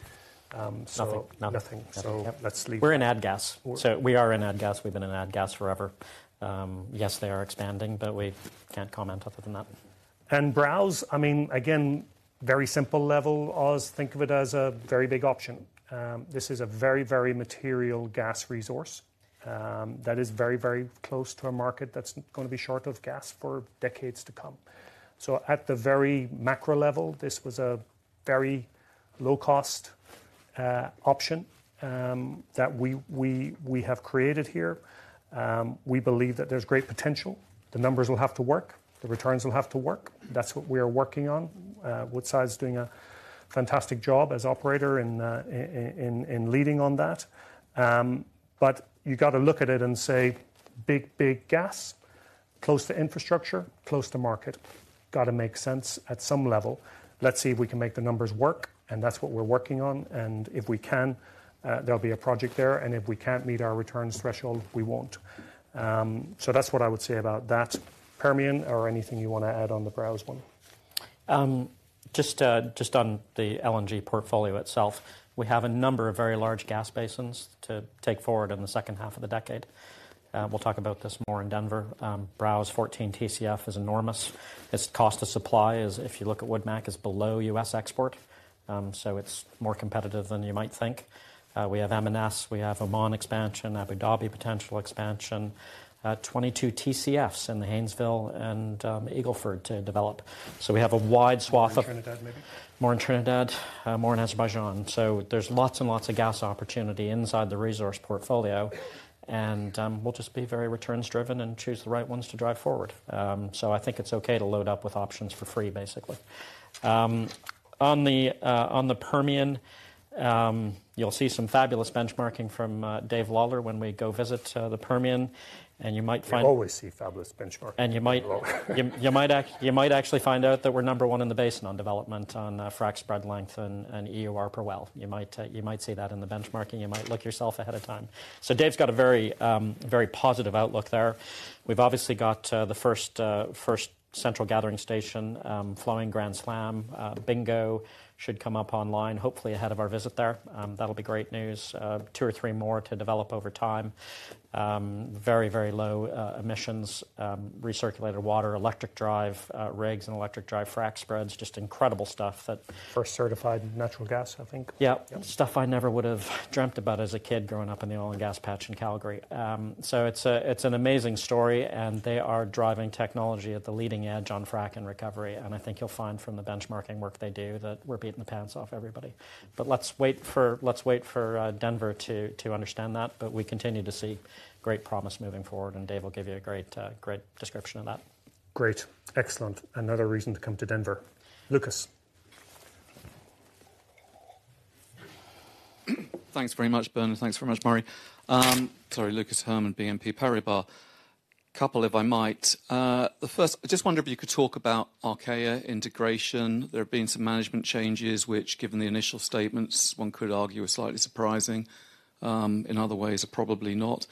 C: Nothing.
B: Nothing.
C: Nothing.
B: So let's leave-
C: We're in ADGAS.
B: W-
C: we are in ADGAS. We've been in ADGAS forever. Yes, they are expanding, but we can't comment other than that.
B: Browse, I mean, again, very simple level, Os, think of it as a very big option. This is a very, very material gas resource that is very, very close to a market that's gonna be short of gas for decades to come. At the very macro level, this was a very low-cost option that we, we, we have created here. We believe that there's great potential. The numbers will have to work, the returns will have to work. That's what we are working on. Woodside is doing a fantastic job as operator in, in, in, in leading on that. You've got to look at it and say, Big, big gas?... close to infrastructure, close to market. Gotta make sense at some level. Let's see if we can make the numbers work, and that's what we're working on. If we can, there'll be a project there, and if we can't meet our returns threshold, we won't. That's what I would say about that. Permian, or anything you want to add on the Browse one?
C: Just, just on the LNG portfolio itself, we have a number of very large gas basins to take forward in the second half of the decade. We'll talk about this more in Denver. Browse, 14 TCF is enormous. Its cost of supply is, if you look at Woodmac, is below U.S. export. So it's more competitive than you might think. We have MNs, we have Oman expansion, Abu Dhabi potential expansion, 22 TCFs in the Haynesville and Eagle Ford to develop. We have a wide swath of-
B: More in Trinidad, maybe?
C: More in Trinidad, more in Azerbaijan. There's lots and lots of gas opportunity inside the resource portfolio, and we'll just be very returns driven and choose the right ones to drive forward. I think it's okay to load up with options for free, basically. On the Permian, you'll see some fabulous benchmarking from David Lawler, when we go visit the Permian. You might find-
B: You always see fabulous benchmarking from David Lawler.
C: You might, you, you might actually find out that we're number 1 in the basin on development, on frac spread length and, and EUR per well. You might, you might see that in the benchmarking. You might look yourself ahead of time. Dave's got a very, very positive outlook there. We've obviously got the first, first central gathering station, flowing Grand Slam. Bingo should come up online, hopefully ahead of our visit there. That'll be great news. 2 or 3 more to develop over time. Very, very low emissions, recirculated water, electric drive rigs, and electric drive frac spreads. Just incredible stuff that-
B: First certified natural gas, I think.
C: Yeah.
B: Yeah.
C: Stuff I never would have dreamt about as a kid growing up in the oil and gas patch in Calgary. It's a, it's an amazing story, and they are driving technology at the leading edge on frack and recovery, and I think you'll find from the benchmarking work they do, that we're beating the pants off everybody. Let's wait for, let's wait for Denver to, to understand that, but we continue to see great promise moving forward, and Dave will give you a great, great description of that.
B: Great. Excellent. Another reason to come to Denver. Lucas?
I: Thanks very much, Bernard. Thanks very much, Murray. Sorry, Lucas Herrmann, BNP Paribas. Couple, if I might. The first, I just wonder if you could talk about Archaea integration. There have been some management changes which, given the initial statements, one could argue are slightly surprising, in other ways, are probably not.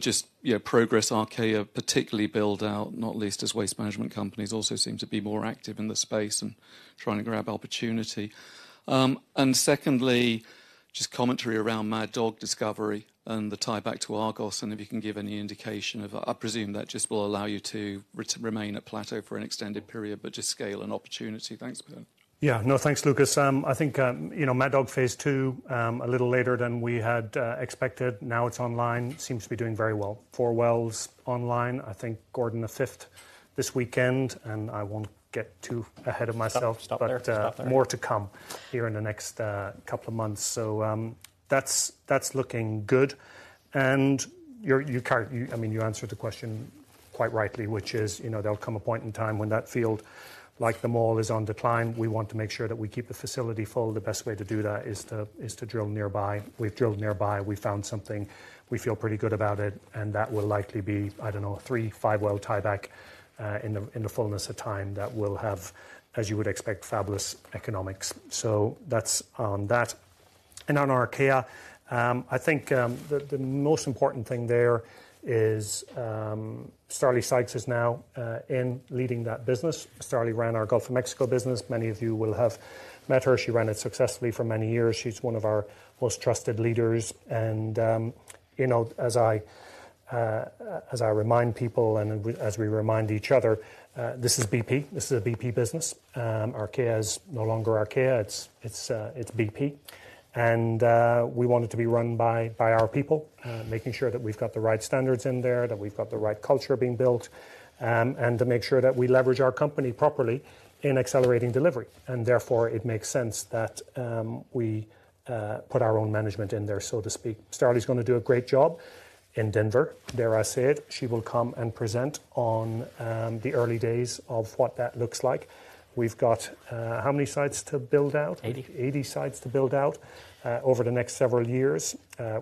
I: Just, yeah, progress Archaea, particularly build out, not least as waste management companies also seem to be more active in the space and trying to grab opportunity. Secondly, just commentary around Mad Dog discovery and the tieback to Argos, and if you can give any indication of that. I presume that just will allow you to re- remain at plateau for an extended period, but just scale and opportunity. Thanks, Bernard.
B: Yeah. No, thanks, Lucas. I think Mad Dog Phase 2, a little later than we had expected. Now, it's online. Seems to be doing very well. Four wells online, I think Gordon the fifth this weekend, and I won't get too ahead of myself.
C: Stop, stop there. Stop there.
B: More to come here in the next couple of months. That's, that's looking good. You're, you, Carl, I mean, you answered the question quite rightly, which is there'll come a point in time when that field, like the Maclure, is on decline. We want to make sure that we keep the facility full. The best way to do that is to, is to drill nearby. We've drilled nearby, we found something, we feel pretty good about it, and that will likely be, I don't know, a 3, 5-well tieback in the fullness of time that will have, as you would expect, fabulous economics. That's on that. On Archaea, I think, the most important thing there is, Starley Sykes is now in leading that business. Starlee ran our Gulf of Mexico business. Many of you will have met her. She ran it successfully for many years. She's one of our most trusted leaders as I, as I remind people, and as we, as we remind each other, this is BP. This is a BP business. Archaea is no longer Archaea, it's, it's, it's BP, and we want it to be run by, by our people. Making sure that we've got the right standards in there, that we've got the right culture being built, and to make sure that we leverage our company properly in accelerating delivery. Therefore, it makes sense that we put our own management in there, so to speak. Starlee's gonna do a great job in Denver. Dare I say it, she will come and present on, the early days of what that looks like. We've got, how many sites to build out?
C: Eighty.
B: Eighty sites to build out over the next several years.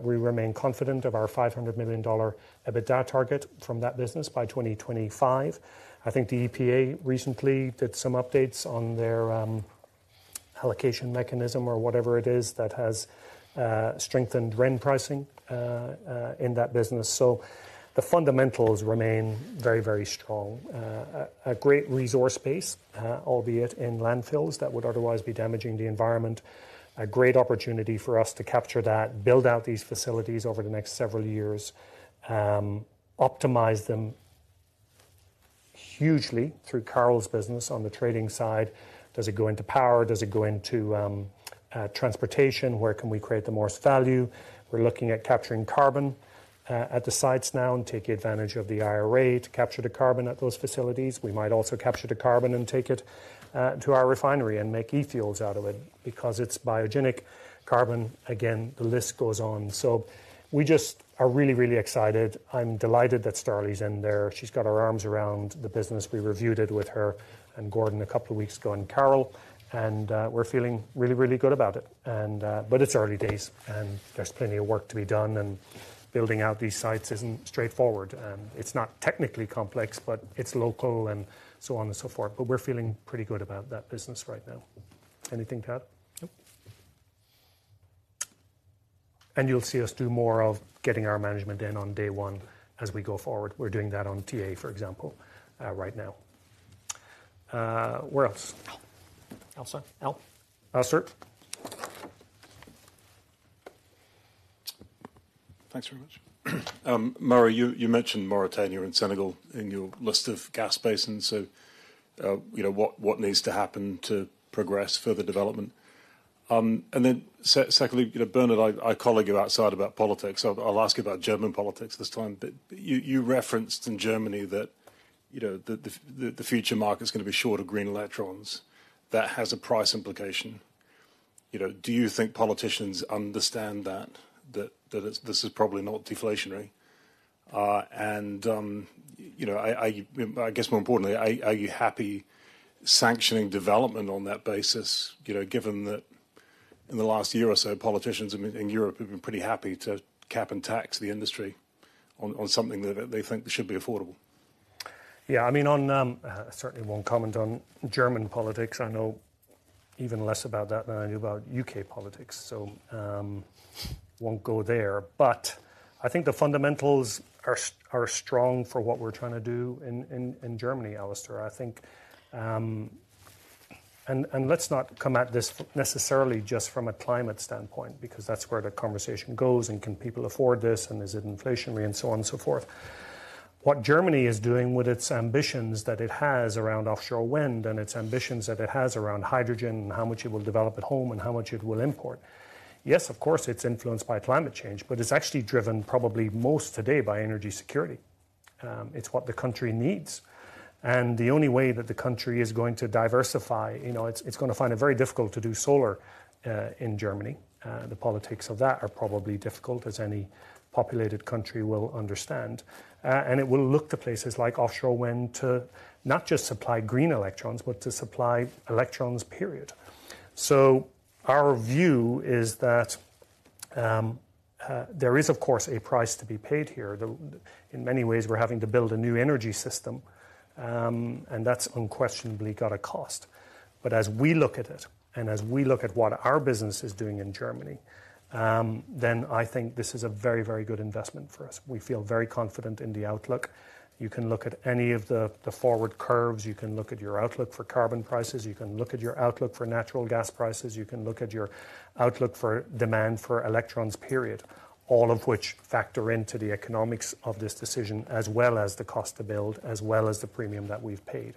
B: We remain confident of our $500 million EBITDA target from that business by 2025. I think the EPA recently did some updates on their allocation mechanism or whatever it is that has strengthened RIN pricing in that business. The fundamentals remain very, very strong. A great resource base, albeit in landfills that would otherwise be damaging the environment. A great opportunity for us to capture that, build out these facilities over the next several years, optimize them hugely through Carol's business on the trading side. Does it go into power? Does it go into transportation? Where can we create the most value? We're looking at capturing carbon at the sites now and taking advantage of the IRA to capture the carbon at those facilities. We might also capture the carbon and take it to our refinery and make e-fuels out of it because it's biogenic carbon. Again, the list goes on. We just are really, really excited. I'm delighted that Starley's in there. She's got her arms around the business. We reviewed it with her and Gordon a couple of weeks ago, and Carol, we're feeling really, really good about it. It's early days, and there's plenty of work to be done, and building out these sites isn't straightforward. It's not technically complex, but it's local and so on and so forth. We're feeling pretty good about that business right now. Anything, Pat?
C: Nope.
B: You'll see us do more of getting our management in on day one as we go forward. We're doing that on TA, for example, right now. Where else?
C: Alister.
B: Alastair?
J: Thanks very much. Murray, you, you mentioned Mauritania and Senegal in your list of gas basins. You know, what, what needs to happen to progress further development? And then secondly Bernard, I, I colleague you outside about politics. I'll, I'll ask you about German politics this time. You, you referenced in Germany that the, the, the future market's gonna be short of green electrons. That has a price implication. You know, do you think politicians understand that, that, that it's this is probably not deflationary? and I, I, I guess more importantly, are, are you happy sanctioning development on that basis given that in the last year or so, politicians in, in Europe have been pretty happy to cap and tax the industry on, on something that they think should be affordable?
B: Yeah, I mean, I certainly won't comment on German politics. I know even less about that than I do about UK politics, won't go there. I think the fundamentals are strong for what we're trying to do in, in, in Germany, Alister. I think, let's not come at this necessarily just from a climate standpoint, because that's where the conversation goes, and can people afford this, and is it inflationary, and so on and so forth. What Germany is doing with its ambitions that it has around offshore wind, and its ambitions that it has around hydrogen, and how much it will develop at home, and how much it will import, yes, of course, it's influenced by climate change, but it's actually driven probably most today by energy security. It's what the country needs. The only way that the country is going to diversify it's, it's gonna find it very difficult to do solar in Germany. The politics of that are probably difficult, as any populated country will understand. It will look to places like offshore wind to not just supply green electrons, but to supply electrons, period. Our view is that there is of course, a price to be paid here. In many ways, we're having to build a new energy system, and that's unquestionably got a cost. As we look at it, and as we look at what our business is doing in Germany, then I think this is a very, very good investment for us. We feel very confident in the outlook. You can look at any of the forward curves. You can look at your outlook for carbon prices. You can look at your outlook for natural gas prices. You can look at your outlook for demand for electrons, period. All of which factor into the economics of this decision, as well as the cost to build, as well as the premium that we've paid.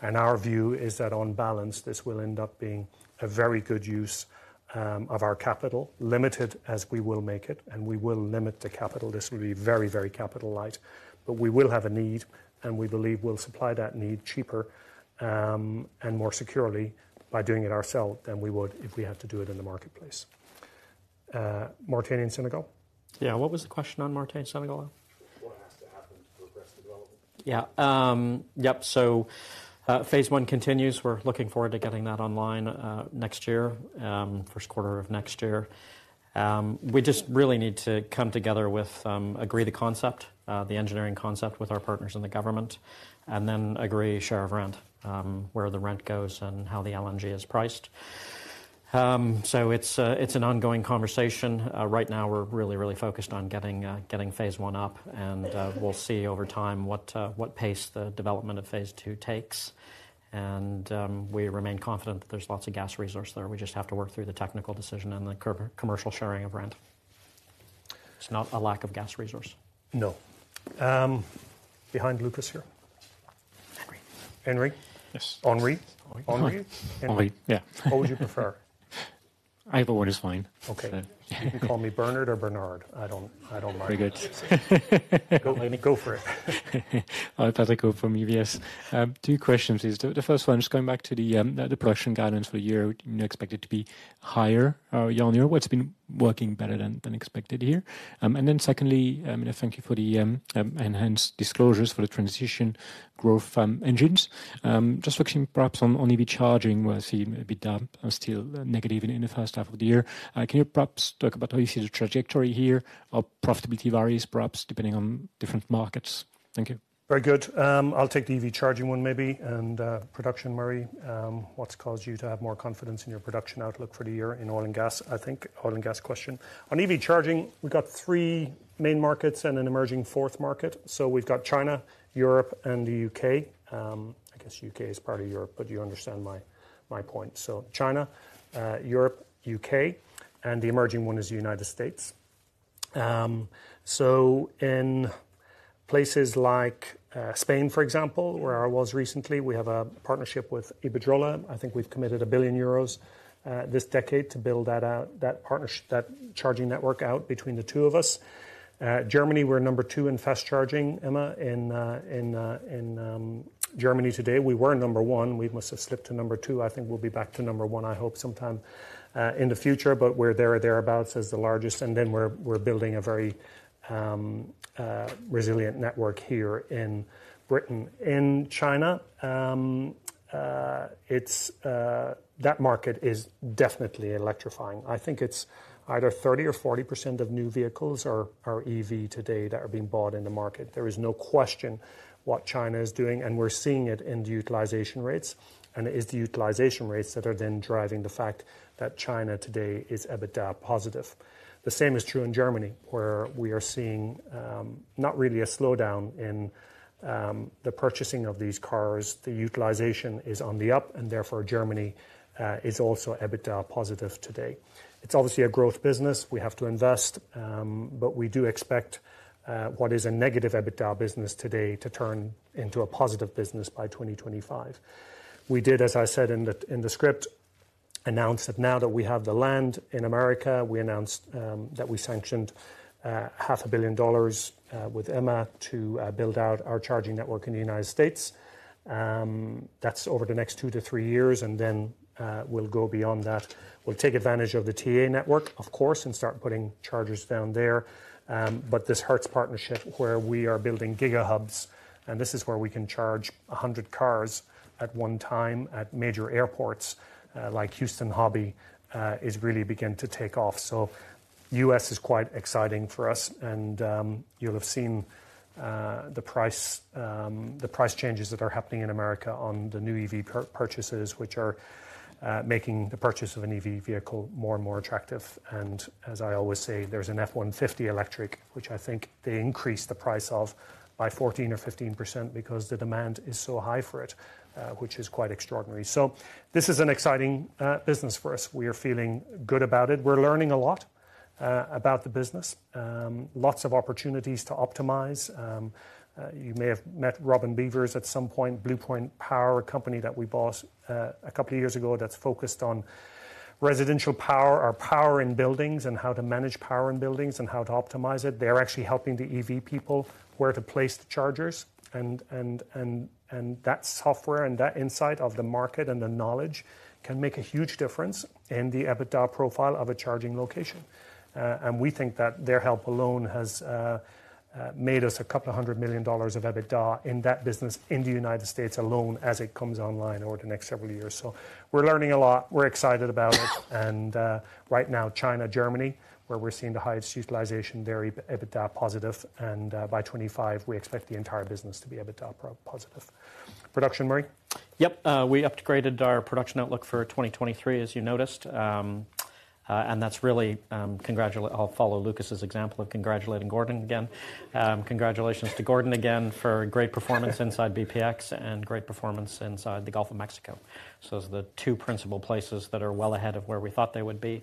B: Our view is that, on balance, this will end up being a very good use of our capital, limited as we will make it, and we will limit the capital. This will be very, very capital light. We will have a need, and we believe we'll supply that need cheaper and more securely by doing it ourselves than we would if we had to do it in the marketplace. Mauritania and Senegal?
C: Yeah. What was the question on Mauritania and Senegal?
J: What has to happen to progress the development?
C: Yeah. Yep, so, phase one continues. We're looking forward to getting that online next year, Q1 of next year. We just really need to come together with agree the concept, the engineering concept with our partners in the government, then agree share of rent, where the rent goes and how the LNG is priced. It's a, it's an ongoing conversation. Right now, we're really, really focused on getting getting phase one up, we'll see over time what what pace the development of phase two takes. We remain confident that there's lots of gas resource there. We just have to work through the technical decision and the commercial sharing of rent. It's not a lack of gas resource.
B: No. behind Lucas here.
K: Henry.
B: Henry?
K: Yes.
B: Henri?
K: Henri.
B: Henri? Henry-
K: Henri, yeah.
B: What would you prefer?
K: Either one is fine.
B: Okay. You can call me Bernard or Bernard. I don't, I don't mind.
K: Very good.
B: Go, Henri, go for it.
K: Patrick from UBS. Two questions, please. The first one, just going back to the production guidance for the year. Would you expect it to be higher, year-on-year? What's been working better than expected here? Secondly, thank you for the enhanced disclosures for the Transition Growth Engines. Just focusing perhaps on EV charging, where I see maybe down or still negative in the first half of the year. Can you perhaps talk about how you see the trajectory here or profitability varies, perhaps depending on different markets? Thank you.
B: Very good. I'll take the EV charging one maybe, and production, Murray, what's caused you to have more confidence in your production outlook for the year in oil and gas? I think, oil and gas question. On EV charging, we've got three main markets and an emerging fourth market. We've got China, Europe, and the U.K. I guess U.K. is part of Europe, you understand my point. China, Europe, U.K., and the emerging one is the United States. In places like Spain, for example, where I was recently, we have a partnership with Iberdrola. I think we've committed 1 billion euros this decade to build that out, that charging network out between the two of us. Germany, we're number two in fast charging, Emma, in Germany today. We were number one. We must have slipped to number two. I think we'll be back to number one, I hope, sometime in the future, but we're there or thereabouts as the largest. Then we're, we're building a very resilient network here in Britain. In China, that market is definitely electrifying. I think it's either 30% or 40% of new vehicles are EV today that are being bought in the market. There is no question what China is doing, and we're seeing it in the utilization rates, and it is the utilization rates that are then driving the fact that China today is EBITDA positive. The same is true in Germany, where we are seeing not really a slowdown in the purchasing of these cars. The utilization is on the up. Therefore, Germany is also EBITDA positive today. It's obviously a growth business. We have to invest. We do expect what is a negative EBITDA business today to turn into a positive business by 2025. We did, as I said in the script, announce that now that we have the land in America, we announced that we sanctioned $500 million with Emma to build out our charging network in the United States. That's over the next 2-3 years. We'll go beyond that. We'll take advantage of the TA network, of course, and start putting chargers down there. This Hertz partnership, where we are building Gigahubs, and this is where we can charge 100 cars at one time at major airports, like Houston Hobby, is really begin to take off. U.S. is quite exciting for us, and you'll have seen the price, the price changes that are happening in America on the new EV purchases, which are making the purchase of an EV vehicle more and more attractive. As I always say, there's an F-150 electric, which I think they increased the price of by 14% or 15% because the demand is so high for it, which is quite extraordinary. This is an exciting business for us. We are feeling good about it. We're learning a lot about the business. Lots of opportunities to optimize. You may have met Robyn Beavers at some point, BluePoint Power, a company that we bought 2 years ago, that's focused on residential power or power in buildings, and how to manage power in buildings and how to optimize it. They're actually helping the EV people where to place the chargers and that software and that insight of the market and the knowledge can make a huge difference in the EBITDA profile of a charging location. We think that their help alone has made us $200 million of EBITDA in that business, in the United States alone, as it comes online over the next several years. We're learning a lot. We're excited about it. Right now, China, Germany, where we're seeing the highest utilization, very EBITDA positive. By 25, we expect the entire business to be EBITDA positive. Production, Murray?
C: Yep. We upgraded our production outlook for 2023, as you noticed. That's really, congratula- I'll follow Lucas's example of congratulating Gordon again. Congratulations to Gordon again for great performance inside bpx and great performance inside the Gulf of Mexico. Those are the two principal places that are well ahead of where we thought they would be.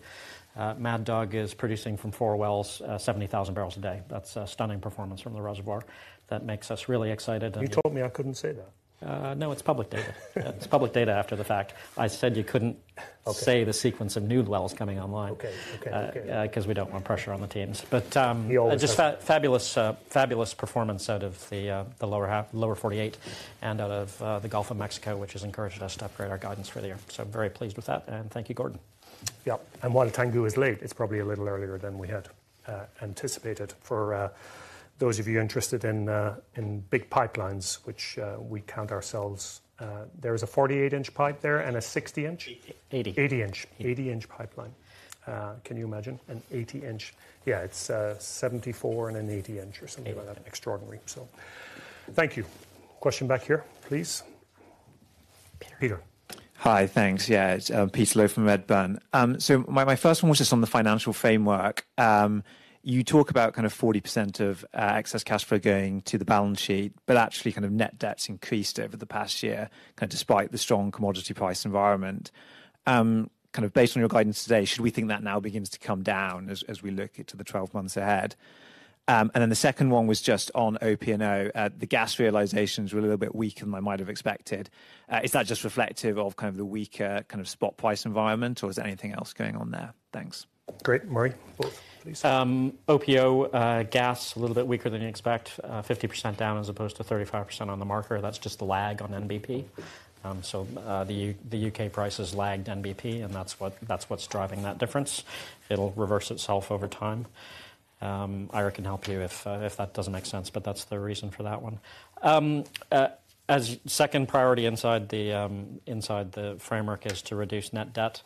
C: Mad Dog is producing from 4 wells, 70,000 barrels a day. That's a stunning performance from the reservoir. That makes us really excited and-
B: You told me I couldn't say that.
C: No, it's public data. It's public data after the fact. I said you couldn't-
B: Okay...
C: say the sequence of new wells coming online.
B: Okay, okay, okay.
C: 'Cause we don't want pressure on the teams.
B: The old-
C: Just fabulous, fabulous performance out of the lower half, lower 48, and out of the Gulf of Mexico, which has encouraged us to upgrade our guidance for the year. Very pleased with that, and thank you, Gordon.
B: Yep, while Tangguh is late, it's probably a little earlier than we had anticipated. For those of you interested in big pipelines, which we count ourselves, there is a 48-inch pipe there and a 60-inch?
C: Eighty.
B: Eighty inch. 80-inch pipeline. Can you imagine an 80-inch... Yeah, it's, 74 and an 80 inch or something like that.
C: Eighty.
B: Extraordinary. Thank you. Question back here, please. Peter?
L: Hi. Thanks. Yeah, it's Peter Lowe from Redburn. My, my first one was just on the financial framework. You talk about 40% of excess cash flow going to the balance sheet, but actually, net debt's increased over the past year, despite the strong commodity price environment. Based on your guidance today, should we think that now begins to come down as, as we look into the 12 months ahead? Then the second one was just on OPO. The gas realizations were a little bit weaker than I might have expected. Is that just reflective of the weaker spot price environment, or is there anything else going on there? Thanks.
B: Great. Murray, please.
C: OPO gas, a little bit weaker than you expect, 50% down as opposed to 35% on the marker. That's just the lag on NBP. The UK price has lagged NBP, and that's what, that's what's driving that difference. It'll reverse itself over time. Ira can help you if that doesn't make sense, but that's the reason for that one. As second priority inside the framework is to reduce net debt.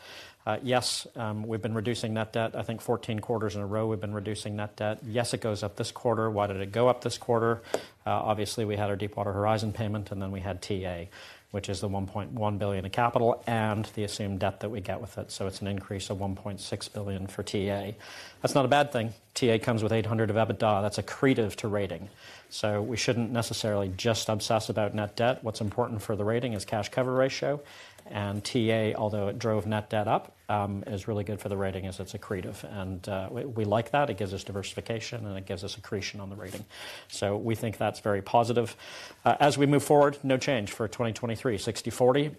C: Yes, we've been reducing net debt. I think 14 quarters in a row, we've been reducing net debt. Yes, it goes up this quarter. Why did it go up this quarter? Obviously, we had our Deepwater Horizon payment. We had TA, which is the $1.1 billion in capital and the assumed debt that we get with it. It's an increase of $1.6 billion for TA. That's not a bad thing. TA comes with $800 million of EBITDA. That's accretive to rating. We shouldn't necessarily just obsess about net debt. What's important for the rating is cash coverage ratio. TA, although it drove net debt up, is really good for the rating as it's accretive. We like that. It gives us diversification, and it gives us accretion on the rating. We think that's very positive. As we move forward, no change for 2023, 60/40.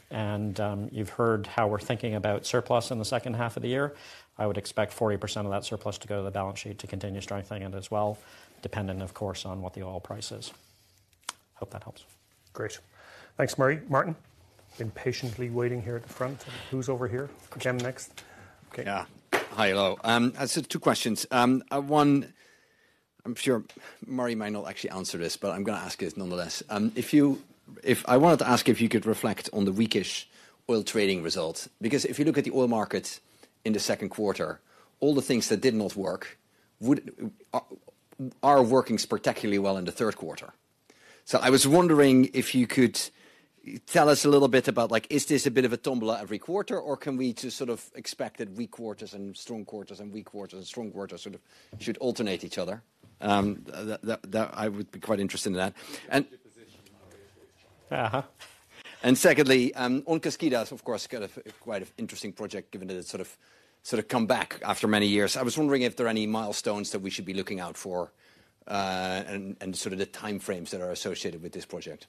C: You've heard how we're thinking about surplus in the second half of the year. I would expect 40% of that surplus to go to the balance sheet to continue strengthening it as well, dependent, of course, on what the oil price is. Hope that helps.
B: Great. Thanks, Murray. Martin? Been patiently waiting here at the front. Who's over here? Jim next. Okay.
M: Yeah. Hi, hello. I just have 2 questions. One, I'm sure Murray might not actually answer this, but I'm gonna ask it nonetheless. I wanted to ask if you could reflect on the weak-ish oil trading results, because if you look at the oil market in the 2Q, all the things that did not work would are working particularly well in the 3Q. I was wondering if you could tell us a little bit about, like, is this a bit of a tombola every quarter, or can we just expect that weak quarters and strong quarters, and weak quarters and strong quarters, should alternate each other? That, that, that I would be quite interested in that.
C: Position obviously.
M: Secondly, on Kaskida, of course, quite an interesting project, given that it's, come back after many years. I was wondering if there are any milestones that we should be looking out for, and, and the timeframes that are associated with this project.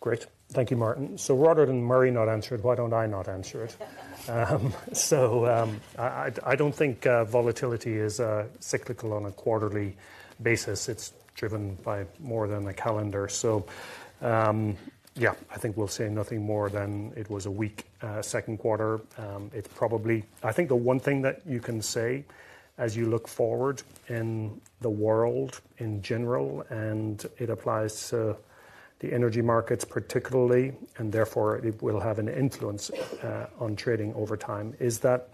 B: Great. Thank you, Martin. Rather than Murray not answer it, why don't I not answer it? I, I, I don't think volatility is cyclical on a quarterly basis. It's driven by more than the calendar. Yeah, I think we'll say nothing more than it was a weak Q2. I think the one thing that you can say as you look forward in the world in general, and it applies to the energy markets particularly, and therefore, it will have an influence on trading over time, is that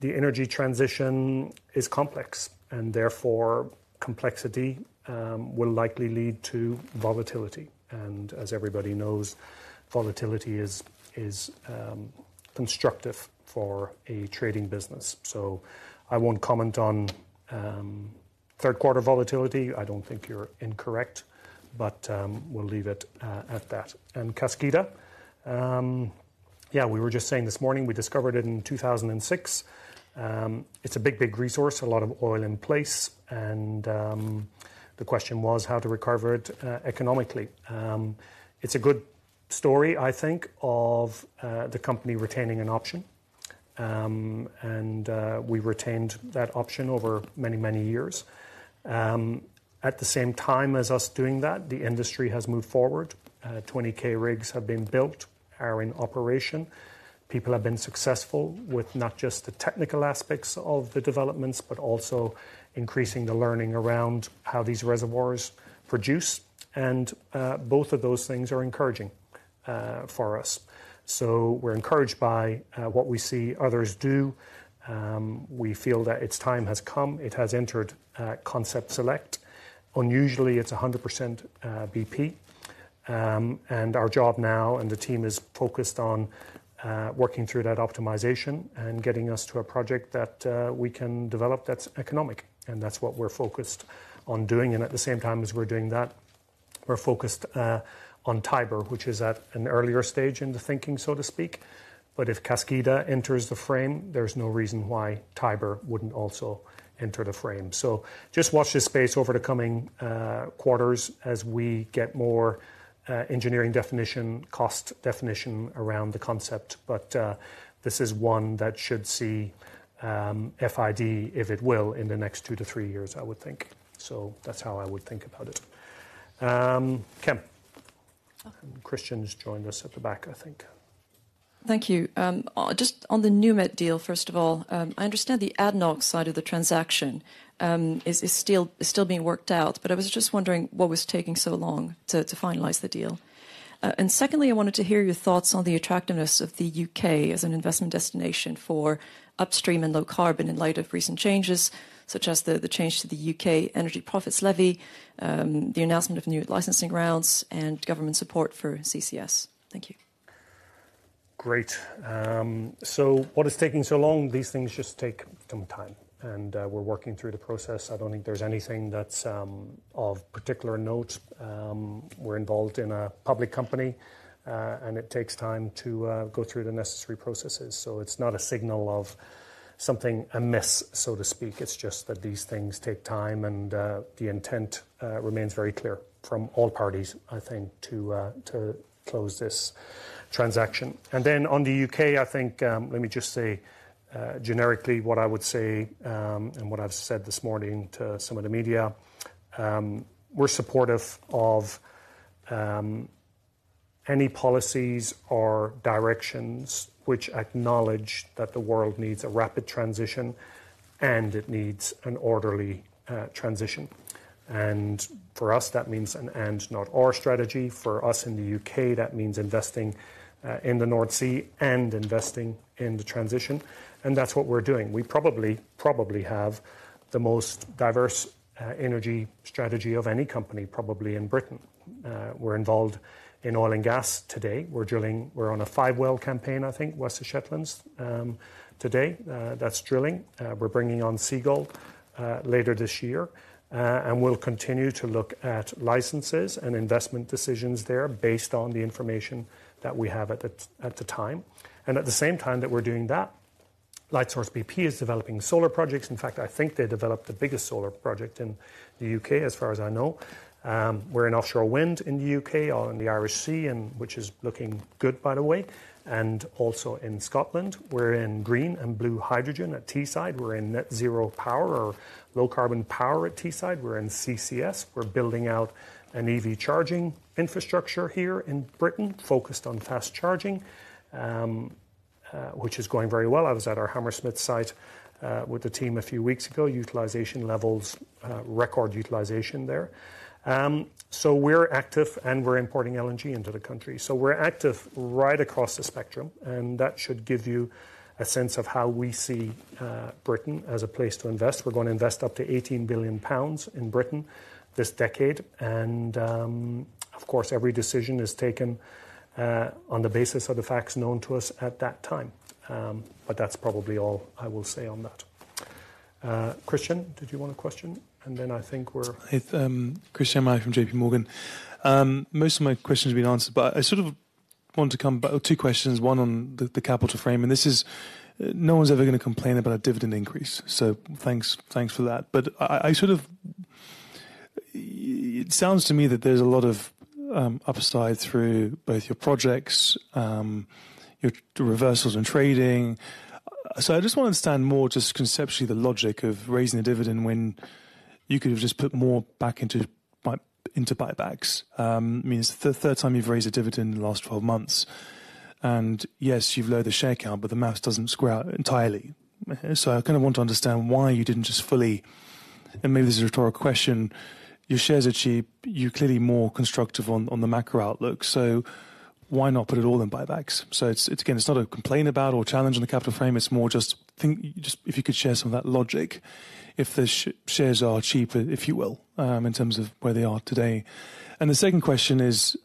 B: the energy transition is complex, and therefore, complexity will likely lead to volatility. As everybody knows, volatility is, is constructive for a trading business. I won't comment on Q3 volatility. I don't think you're incorrect, but we'll leave it at that. Kaskida, yeah, we were just saying this morning, we discovered it in 2006. It's a big, big resource, a lot of oil in place, and the question was how to recover it economically. It's a good story, I think, of the company retaining an option. And we retained that option over many, many years. At the same time as us doing that, the industry has moved forward. 20K rigs have been built, are in operation. People have been successful with not just the technical aspects of the developments, but also increasing the learning around how these reservoirs produce. Both of those things are encouraging for us. So we're encouraged by what we see others do. We feel that its time has come. It has entered concept select. Unusually, it's 100% BP. Our job now, and the team is focused on working through that optimization and getting us to a project that we can develop that's economic, and that's what we're focused on doing. At the same time as we're doing that, we're focused on Tiber, which is at an earlier stage in the thinking, so to speak. If Kaskida enters the frame, there's no reason why Tiber wouldn't also enter the frame. Just watch this space over the coming quarters as we get more engineering definition, cost definition around the concept. This is one that should see FID, if it will, in the next 2-3 years, I would think. That's how I would think about it. Kim. Christyan's joined us at the back, I think.
N: Thank you. Just on the NewMed deal, first of all, I understand the ADNOC side of the transaction is, is still, is still being worked out, but I was just wondering what was taking so long to, to finalize the deal. Secondly, I wanted to hear your thoughts on the attractiveness of the UK as an investment destination for upstream and low carbon in light of recent changes, such as the, the change to the UK Energy Profits Levy, the announcement of new licensing rounds, and government support for CCS. Thank you.
B: Great. What is taking so long? These things just take some time, we're working through the process. I don't think there's anything that's of particular note. We're involved in a public company, it takes time to go through the necessary processes. It's not a signal of something amiss, so to speak. It's just that these things take time and the intent remains very clear from all parties, I think, to close this transaction. On the UK, I think, let me just say generically what I would say, and what I've said this morning to some of the media: We're supportive of any policies or directions which acknowledge that the world needs a rapid transition, and it needs an orderly transition. For us, that means an and, not or strategy. For us in the UK, that means investing in the North Sea and investing in the transition, and that's what we're doing. We probably, probably have the most diverse energy strategy of any company, probably in Britain. We're involved in oil and gas today. We're drilling. We're on a five-well campaign, I think, West of Shetlands. Today, that's drilling. We're bringing on Seagull later this year. We'll continue to look at licenses and investment decisions there based on the information that we have at the, at the time. At the same time that we're doing that, Lightsource bp is developing solar projects. In fact, I think they developed the biggest solar project in the UK, as far as I know. We're in offshore wind in the UK, all in the Irish Sea, and which is looking good, by the way, and also in Scotland. We're in green and blue hydrogen at Teesside. We're in net zero power or low carbon power at Teesside. We're in CCS. We're building out an EV charging infrastructure here in Britain, focused on fast charging, which is going very well. I was at our Hammersmith site with the team a few weeks ago. Utilization levels, record utilization there. We're active, and we're importing LNG into the country. We're active right across the spectrum, and that should give you a sense of how we see Britain as a place to invest. We're going to invest up to 18 billion pounds in Britain this decade. Of course, every decision is taken on the basis of the facts known to us at that time. That's probably all I will say on that. Christyan, did you want a question? Then I think we're
N: Hey, Christyan Malek from JPMorgan. Most of my questions have been answered, I want to come back. Two questions, one on the, the capital frame. This is, no one's ever gonna complain about a dividend increase, so thanks, thanks for that. I, I, it sounds to me that there's a lot of upside through both your projects, your, your reversals in trading. I just want to understand more just conceptually the logic of raising the dividend when you could have just put more back into buybacks. I mean, it's the third time you've raised a dividend in the last 12 months. Yes, you've lowered the share count, the math doesn't square out entirely. I want to understand why you didn't just fully, and maybe this is a rhetorical question. Your shares are cheap. You're clearly more constructive on the macro outlook, why not put it all in buybacks? It's again, it's not a complaint about or challenge on the capital frame, it's more just if you could share some of that logic, if the shares are cheap, if you will, in terms of where they are today. The second question is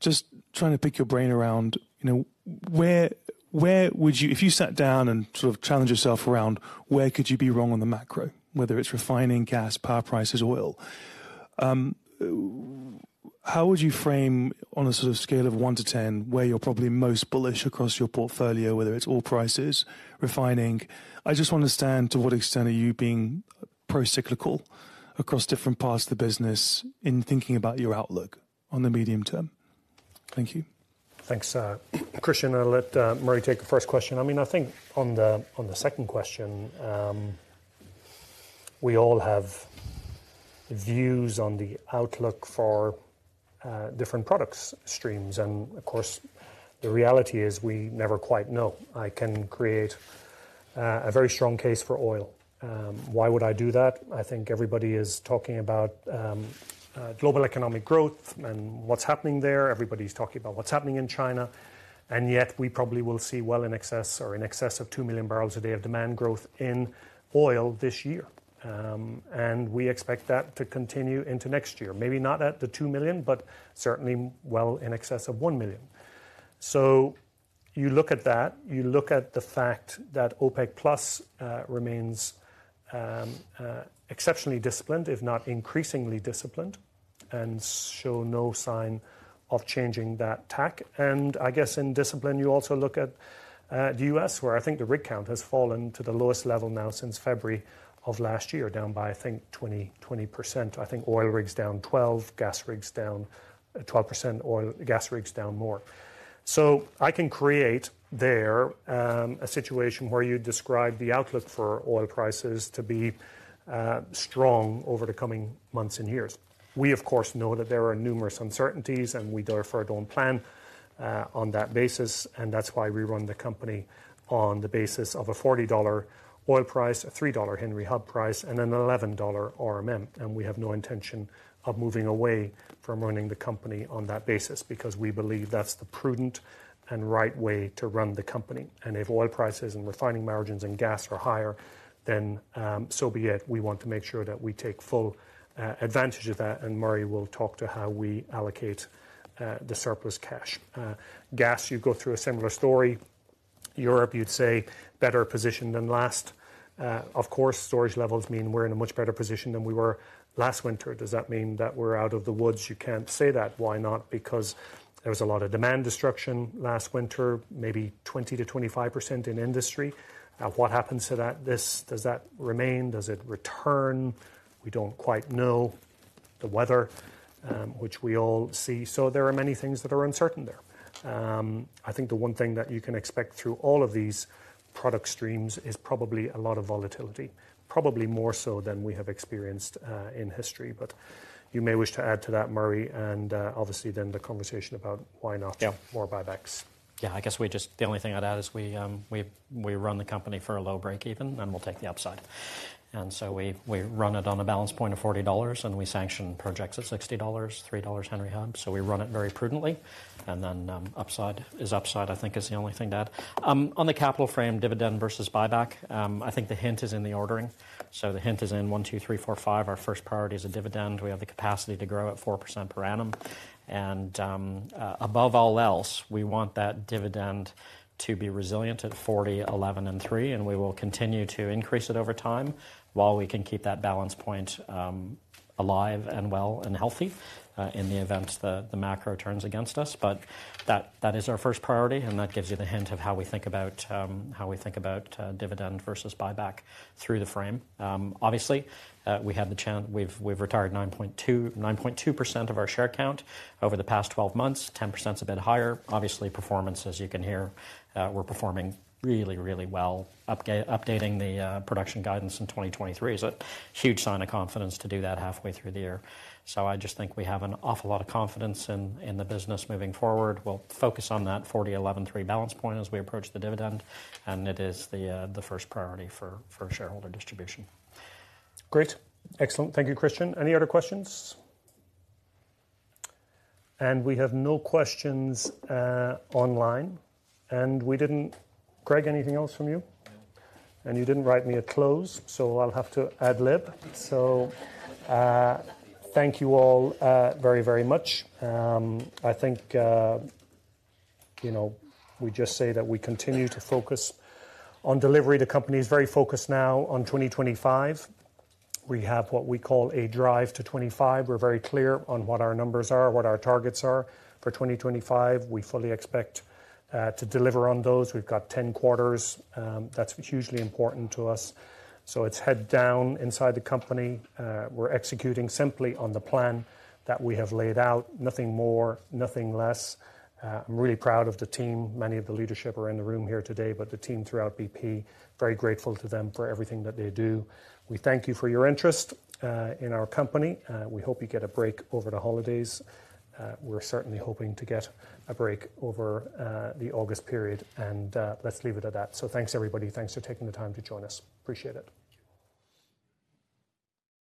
N: just trying to pick your brain around where would you, if you sat down and challenged yourself around, where could you be wrong on the macro? Whether it's refining, gas, power prices, oil. How would you frame, on a scale of 1 to 10, where you're probably most bullish across your portfolio, whether it's oil prices, refining? I just want to understand, to what extent are you being procyclical across different parts of the business in thinking about your outlook on the medium term? Thank you.
B: Thanks, Christyan. I'll let Murray take the first question. I mean, I think on the, on the second question, we all have views on the outlook for different products streams. Of course, the reality is, we never quite know. I can create a very strong case for oil. Why would I do that? I think everybody is talking about global economic growth and what's happening there. Everybody's talking about what's happening in China, and yet we probably will see well in excess or in excess of 2 million barrels a day of demand growth in oil this year. We expect that to continue into next year. Maybe not at the 2 million, but certainly well in excess of one million. You look at that, you look at the fact that OPEC+ remains exceptionally disciplined, if not increasingly disciplined, and show no sign of changing that tack. I guess in discipline, you also look at the U.S., where I think the rig count has fallen to the lowest level now since February of last year, down by, I think, 20, 20%. I think oil rigs down 12, gas rigs down 12%, oil- gas rigs down more. I can create there a situation where you describe the outlook for oil prices to be strong over the coming months and years. We, of course, know that there are numerous uncertainties, we therefore don't plan on that basis, and that's why we run the company on the basis of a $40 oil price, a $3 Henry Hub price, and an $11 RMM. We have no intention of moving away from running the company on that basis, because we believe that's the prudent and right way to run the company. If oil prices and refining margins and gas are higher, then so be it. We want to make sure that we take full advantage of that, Murray will talk to how we allocate the surplus cash. Gas, you go through a similar story. Europe, you'd say, better positioned than last. Of course, storage levels mean we're in a much better position than we were last winter. Does that mean that we're out of the woods? You can't say that. Why not? There was a lot of demand destruction last winter, maybe 20%-25% in industry. Now, what happens to that-- this-- Does that remain? Does it return? We don't quite know. The weather, which we all see. There are many things that are uncertain there. I think the one thing that you can expect through all of these product streams is probably a lot of volatility, probably more so than we have experienced in history. You may wish to add to that, Murray, and obviously, then the conversation about why not yeah, more buybacks.
C: Yeah, I guess we just the only thing I'd add is we, we run the company for a low break even, and we'll take the upside. We, we run it on a balance point of $40, and we sanction projects at $60, $3 Henry Hub. We run it very prudently, and then, upside is upside, I think is the only thing to add. On the capital frame, dividend versus buyback, I think the hint is in the ordering. The hint is in 1, 2, 3, 4, 5. Our first priority is a dividend. We have the capacity to grow at 4% per annum. Above all else, we want that dividend to be resilient at $40, $11, and $3, and we will continue to increase it over time while we can keep that balance point alive and well and healthy in the event the macro turns against us. That, that is our first priority, and that gives you the hint of how we think about how we think about dividend versus buyback through the frame. Obviously, we have the chance, we've retired 9.2% of our share count over the past 12 months. 10% is a bit higher. Obviously, performance, as you can hear, we're performing really, really well. Updating the production guidance in 2023 is a huge sign of confidence to do that halfway through the year. I just think we have an awful lot of confidence in, in the business moving forward. We'll focus on that 40 11 3 balance point as we approach the dividend, and it is the first priority for shareholder distribution.
B: Great. Excellent. Thank you, Christyan. Any other questions? We have no questions online. Greg, anything else from you? You didn't write me a close, so I'll have to ad-lib. Thank you all, very, very much. I think we just say that we continue to focus on delivery. The company is very focused now on 2025. We have what we call a drive to 25. We're very clear on what our numbers are, what our targets are for 2025. We fully expect to deliver on those. We've got 10 quarters, that's hugely important to us. It's head down inside the company. We're executing simply on the plan that we have laid out. Nothing more, nothing less. I'm really proud of the team. Many of the leadership are in the room here today, but the team throughout BP, very grateful to them for everything that they do. We thank you for your interest in our company. We hope you get a break over the holidays. We're certainly hoping to get a break over the August period, and let's leave it at that. Thanks, everybody. Thanks for taking the time to join us. Appreciate it.